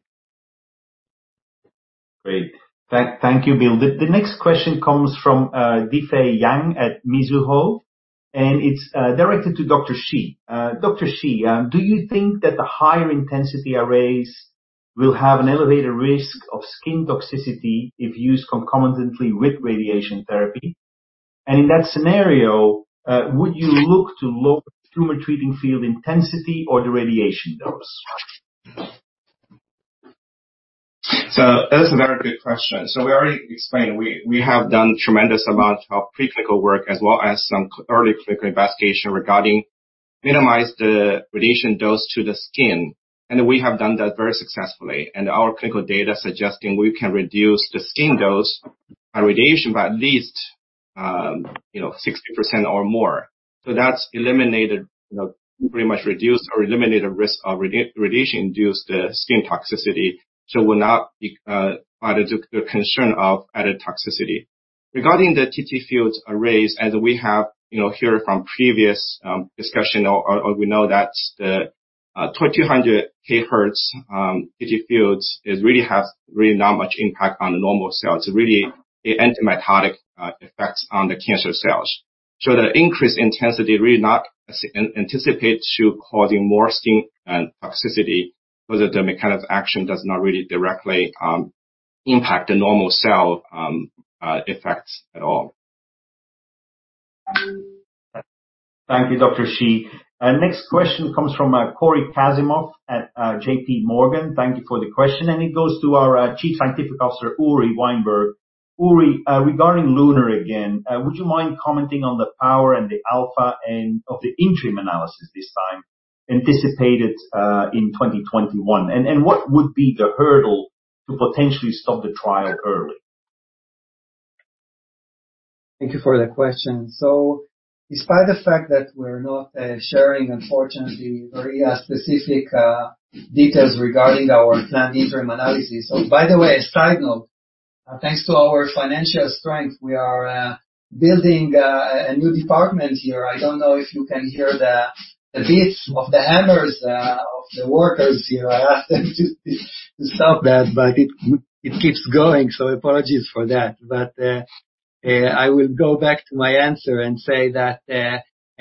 Great. Thank you, Bill. The next question comes from Difei Yang at Mizuho, and it's directed to Dr. Shi. Dr. Shi, do you think that the higher intensity arrays will have an elevated risk of skin toxicity if used concomitantly with radiation therapy? And in that scenario, would you look to lower Tumor Treating Fields intensity or the radiation dose? That's a very good question. We already explained we have done a tremendous amount of preclinical work as well as some early clinical investigation regarding minimizing the radiation dose to the skin. And we have done that very successfully. And our clinical data suggesting we can reduce the skin dose by radiation by at least 60% or more. That's eliminated, pretty much reduced or eliminated the risk of radiation-induced skin toxicity. We're not quite as concerned of added toxicity. Regarding the TTFields arrays, as we have heard from previous discussion, we know that the 200 kHz TTFields really have not much impact on the normal cells. It really has anti-metabolic effects on the cancer cells. The increased intensity is really not anticipated to cause more skin toxicity because the mechanical action does not really directly impact the normal cell effects at all. Thank you, Dr. Shi. Next question comes from Cory Kasimov at JPMorgan. Thank you for the question. It goes to our Chief Science Officer, Uri Weinberg. Uri, regarding LUNAR again, would you mind commenting on the power and the alpha of the interim analysis this time anticipated in 2021? And what would be the hurdle to potentially stop the trial early? Thank you for the question. So despite the fact that we're not sharing, unfortunately, very specific details regarding our planned interim analysis. So by the way, a side note, thanks to our financial strength, we are building a new department here. I don't know if you can hear the beats of the hammers of the workers here. I asked them to stop that, but it keeps going. So apologies for that. But I will go back to my answer and say that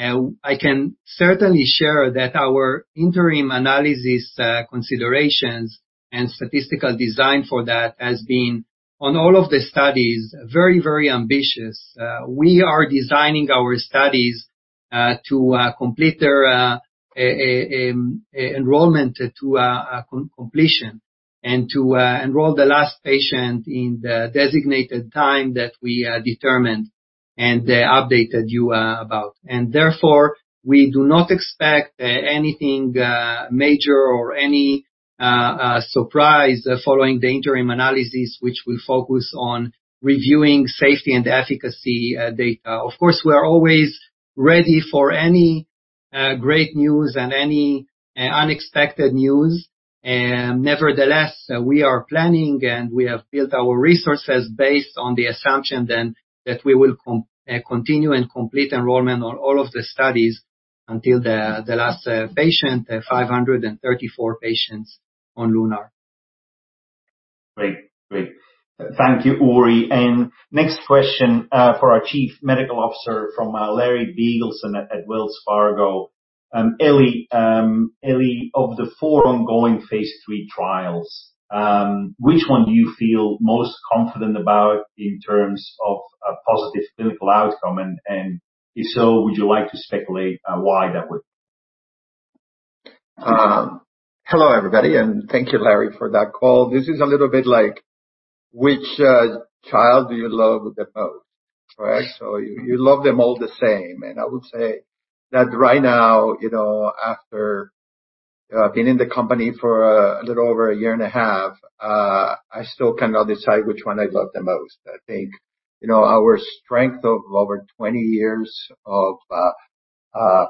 I can certainly share that our interim analysis considerations and statistical design for that has been, on all of the studies, very, very ambitious. We are designing our studies to complete their enrollment to completion and to enroll the last patient in the designated time that we determined and updated you about. And therefore, we do not expect anything major or any surprise following the interim analysis, which will focus on reviewing safety and efficacy data. Of course, we are always ready for any great news and any unexpected news. Nevertheless, we are planning and we have built our resources based on the assumption then that we will continue and complete enrollment on all of the studies until the last patient, 534 patients on LUNAR. Great. Great. Thank you, Uri. And next question for our Chief Medical Officer from Larry Biegelsen at Wells Fargo. Ely, of the four ongoing Phase III trials, which one do you feel most confident about in terms of a positive clinical outcome? And if so, would you like to speculate why that would be? Hello, everybody. And thank you, Larry, for that call. This is a little bit like, which child do you love the most? So you love them all the same. And I would say that right now, after being in the company for a little over a year and a half, I still cannot decide which one I love the most. I think our strength of over 20 years of, I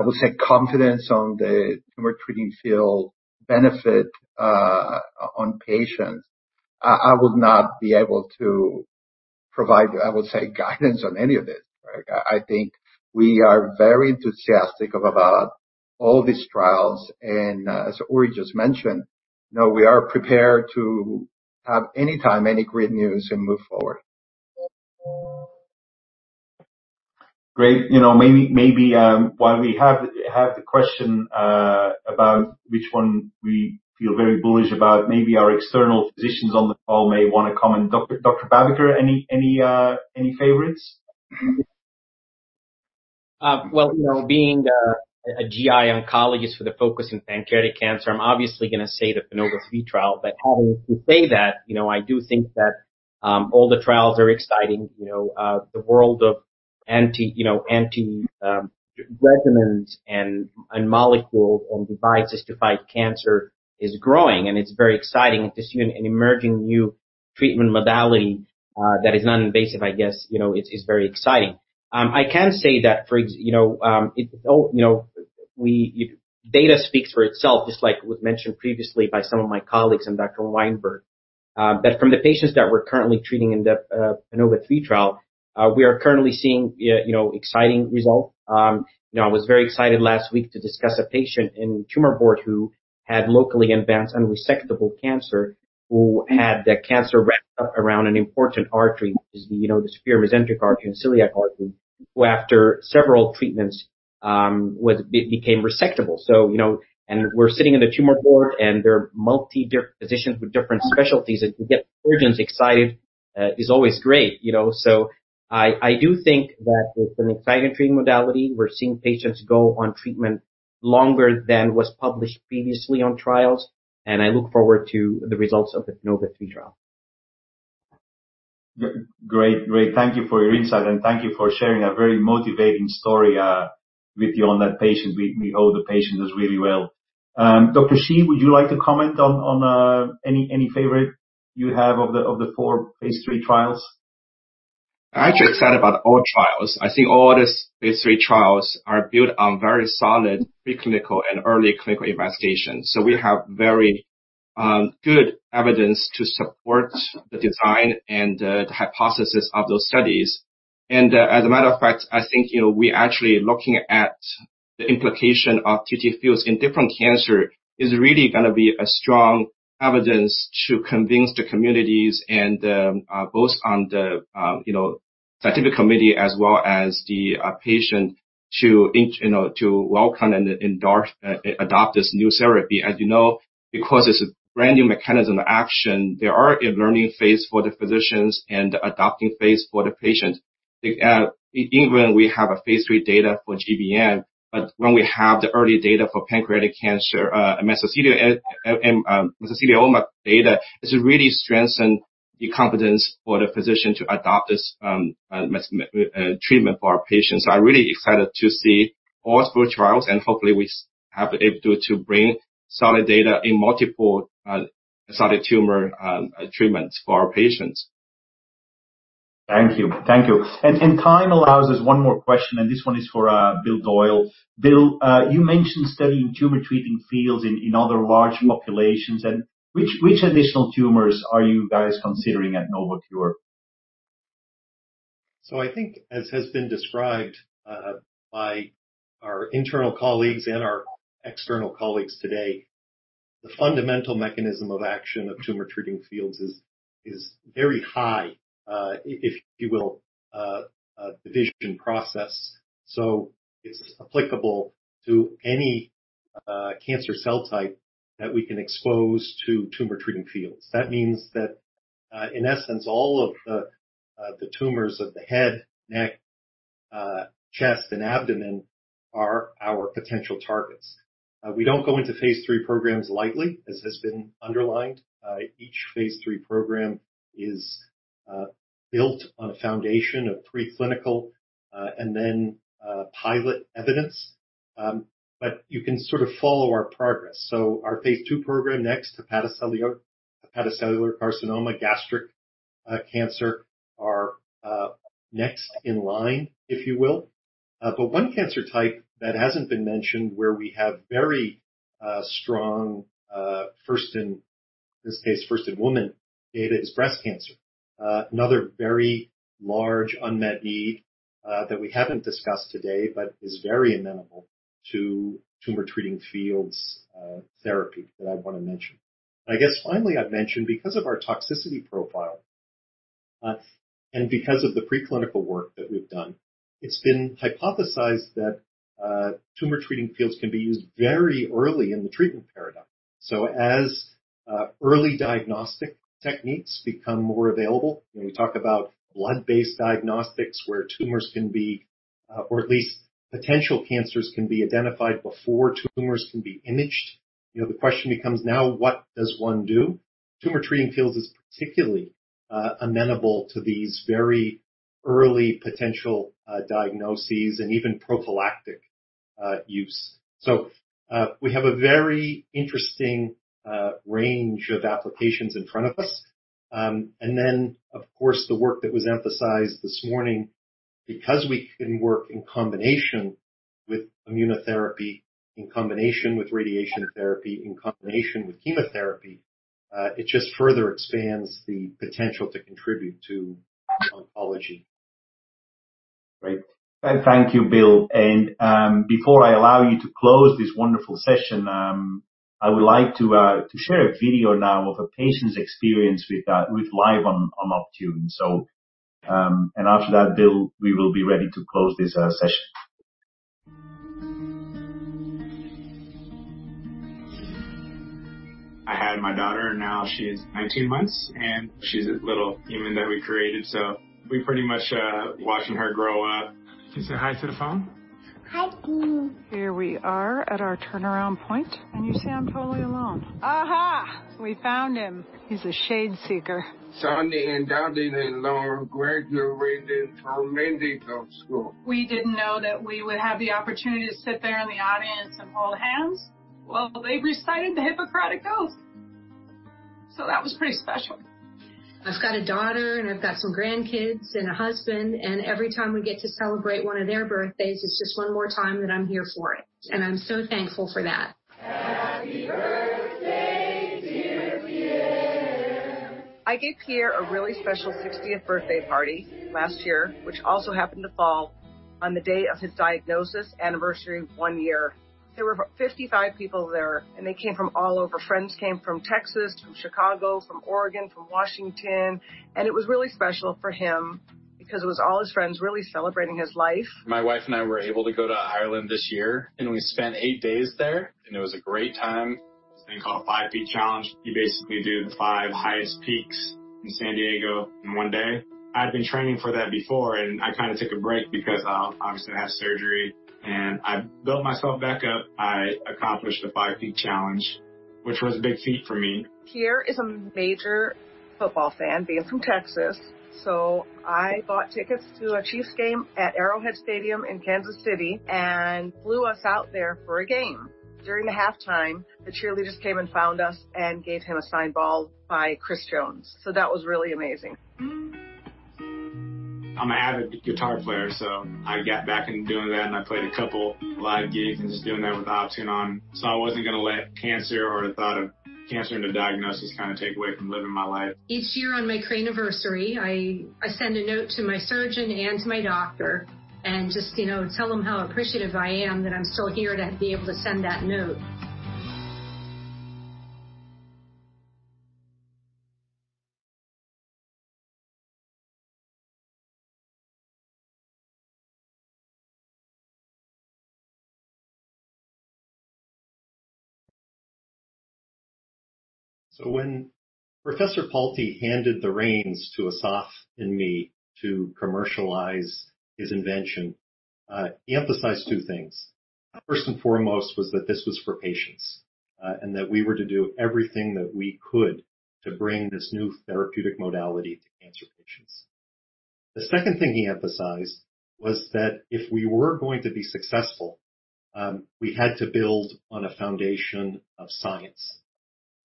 would say, confidence on the Tumor Treating Fields benefit on patients, I would not be able to provide, I would say, guidance on any of this. I think we are very enthusiastic about all these trials. And as Uri just mentioned, we are prepared to have anytime, any great news and move forward. Great. Maybe while we have the question about which one we feel very bullish about, maybe our external physicians on the call may want to comment. Dr. Babiker, any favorites? Being a GI oncologist with a focus in pancreatic cancer, I'm obviously going to say the PANOVA-3 trial. But having to say that, I do think that all the trials are exciting. The world of anti-regimens and molecules and devices to fight cancer is growing. And it's very exciting to see an emerging new treatment modality that is non-invasive, I guess, is very exciting. I can say that data speaks for itself, just like was mentioned previously by some of my colleagues and Dr. Weinberg, that from the patients that we're currently treating in the PANOVA-3 trial, we are currently seeing exciting results. I was very excited last week to discuss a patient in tumor board who had locally advanced unresectable cancer, who had the cancer wrapped up around an important artery, which is the superior mesenteric artery and celiac artery, who after several treatments became resectable. And we're sitting in the tumor board and there are multiple physicians with different specialties. And to get surgeons excited is always great. So I do think that it's an exciting treatment modality. We're seeing patients go on treatment longer than was published previously on trials. And I look forward to the results of the PANOVA-3 trial. Great. Great. Thank you for your insight. And thank you for sharing a very motivating story with you on that patient. We hope the patient does really well. Dr. Shi, would you like to comment on any favorite you have of the four Phase III trials? I'm actually excited about all trials. I think all these Phase III trials are built on very solid preclinical and early clinical investigations. So we have very good evidence to support the design and the hypothesis of those studies. And as a matter of fact, I think we actually looking at the implication of TTFields in different cancers is really going to be a strong evidence to convince the communities and both on the scientific committee as well as the patient to welcome and adopt this new therapy. As you know, because it's a brand new mechanism of action, there are a learning phase for the physicians and the adopting phase for the patient. Even we have Phase III data for GBM, but when we have the early data for pancreatic cancer, mesothelioma data, it's really strengthened the confidence for the physician to adopt this treatment for our patients. I'm really excited to see all four trials. Hopefully, we have the ability to bring solid data in multiple solid tumor treatments for our patients. Thank you. Thank you. And time allows us one more question. And this one is for Bill Doyle. Bill, you mentioned studying Tumor Treating Fields in other large populations. And which additional tumors are you guys considering at Novocure? I think, as has been described by our internal colleagues and our external colleagues today, the fundamental mechanism of action of Tumor Treating Fields is very high, if you will, division process. It's applicable to any cancer cell type that we can expose to Tumor Treating Fields. That means that, in essence, all of the tumors of the head, neck, chest, and abdomen are our potential targets. We don't go into Phase III programs lightly, as has been underlined. Each Phase III program is built on a foundation of preclinical and then pilot evidence. You can sort of follow our progress. Our Phase II program next, hepatocellular carcinoma, gastric cancer are next in line, if you will. One cancer type that hasn't been mentioned where we have very strong first in this case, first-in-human data is breast cancer. Another very large unmet need that we haven't discussed today but is very amenable to Tumor Treating Fields therapy that I want to mention. I guess finally, I've mentioned because of our toxicity profile and because of the preclinical work that we've done, it's been hypothesized that Tumor Treating Fields can be used very early in the treatment paradigm. So as early diagnostic techniques become more available, we talk about blood-based diagnostics where tumors can be, or at least potential cancers can be identified before tumors can be imaged. The question becomes now, what does one do? Tumor Treating Fields is particularly amenable to these very early potential diagnoses and even prophylactic use. So we have a very interesting range of applications in front of us. And then, of course, the work that was emphasized this morning, because we can work in combination with immunotherapy, in combination with radiation therapy, in combination with chemotherapy, it just further expands the potential to contribute to oncology. Great. Thank you, Bill. And before I allow you to close this wonderful session, I would like to share a video now of a patient's experience with life on Optune. And after that, Bill, we will be ready to close this session. I had my daughter. Now she is 19 months, and she's a little human that we created, so we pretty much watched her grow up. Can you say hi to the phone? Hi, Blue. Here we are at our turnaround point. And you say I'm totally alone. Aha. We found him. He's a shade seeker. Sunday and down in Long, Gregory and Tormented Goat School. We didn't know that we would have the opportunity to sit there in the audience and hold hands. Well, they recited the Hippocratic Oath. So that was pretty special. I've got a daughter, and I've got some grandkids and a husband. And every time we get to celebrate one of their birthdays, it's just one more time that I'm here for it. And I'm so thankful for that. Happy birthday, dear Pierre. I gave Pierre a really special 60th birthday party last year, which also happened to fall on the day of his diagnosis anniversary one year. There were 55 people there, and they came from all over. Friends came from Texas, from Chicago, from Oregon, from Washington, and it was really special for him because it was all his friends really celebrating his life. My wife and I were able to go to Ireland this year and we spent eight days there and it was a great time. It's been called Five Peaks Challenge. You basically do the five highest peaks in San Diego in one day. I'd been training for that before and I kind of took a break because I was going to have surgery and I built myself back up. I accomplished the Five Peaks Challenge, which was a big feat for me. Pierre is a major football fan, being from Texas. So I bought tickets to a Chiefs game at Arrowhead Stadium in Kansas City and flew us out there for a game. During the halftime, the cheerleaders came and found us and gave him a signed ball by Chris Jones. So that was really amazing. I'm an avid guitar player. So I got back into doing that. And I played a couple live gigs and just doing that with Optune on. So I wasn't going to let cancer or the thought of cancer and the diagnosis kind of take away from living my life. Each year on my brain anniversary, I send a note to my surgeon and to my doctor and just tell them how appreciative I am that I'm still here to be able to send that note. So when Professor Palti handed the reins to Asaf and me to commercialize his invention, he emphasized two things. First and foremost was that this was for patients and that we were to do everything that we could to bring this new therapeutic modality to cancer patients. The second thing he emphasized was that if we were going to be successful, we had to build on a foundation of science.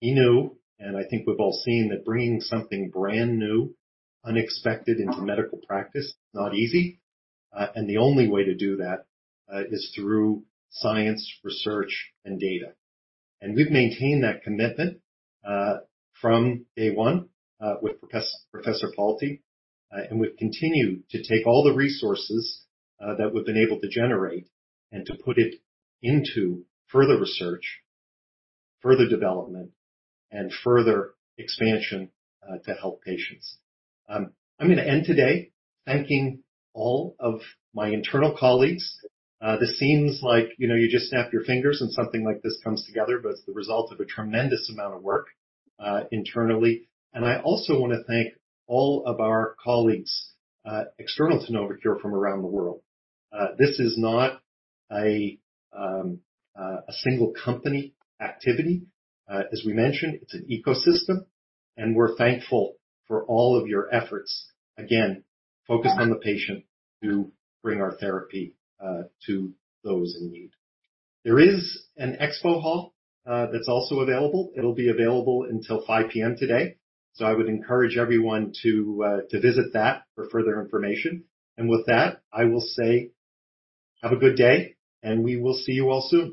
He knew, and I think we've all seen, that bringing something brand new, unexpected into medical practice is not easy. And the only way to do that is through science, research, and data. And we've maintained that commitment from day one with Professor Palti. And we've continued to take all the resources that we've been able to generate and to put it into further research, further development, and further expansion to help patients. I'm going to end today thanking all of my internal colleagues. This seems like you just snap your fingers and something like this comes together. But it's the result of a tremendous amount of work internally. And I also want to thank all of our colleagues external to Novocure from around the world. This is not a single company activity. As we mentioned, it's an ecosystem. And we're thankful for all of your efforts, again, focused on the patient to bring our therapy to those in need. There is an expo hall that's also available. It'll be available until 5:00 P.M. today. So I would encourage everyone to visit that for further information. And with that, I will say have a good day. And we will see you all soon.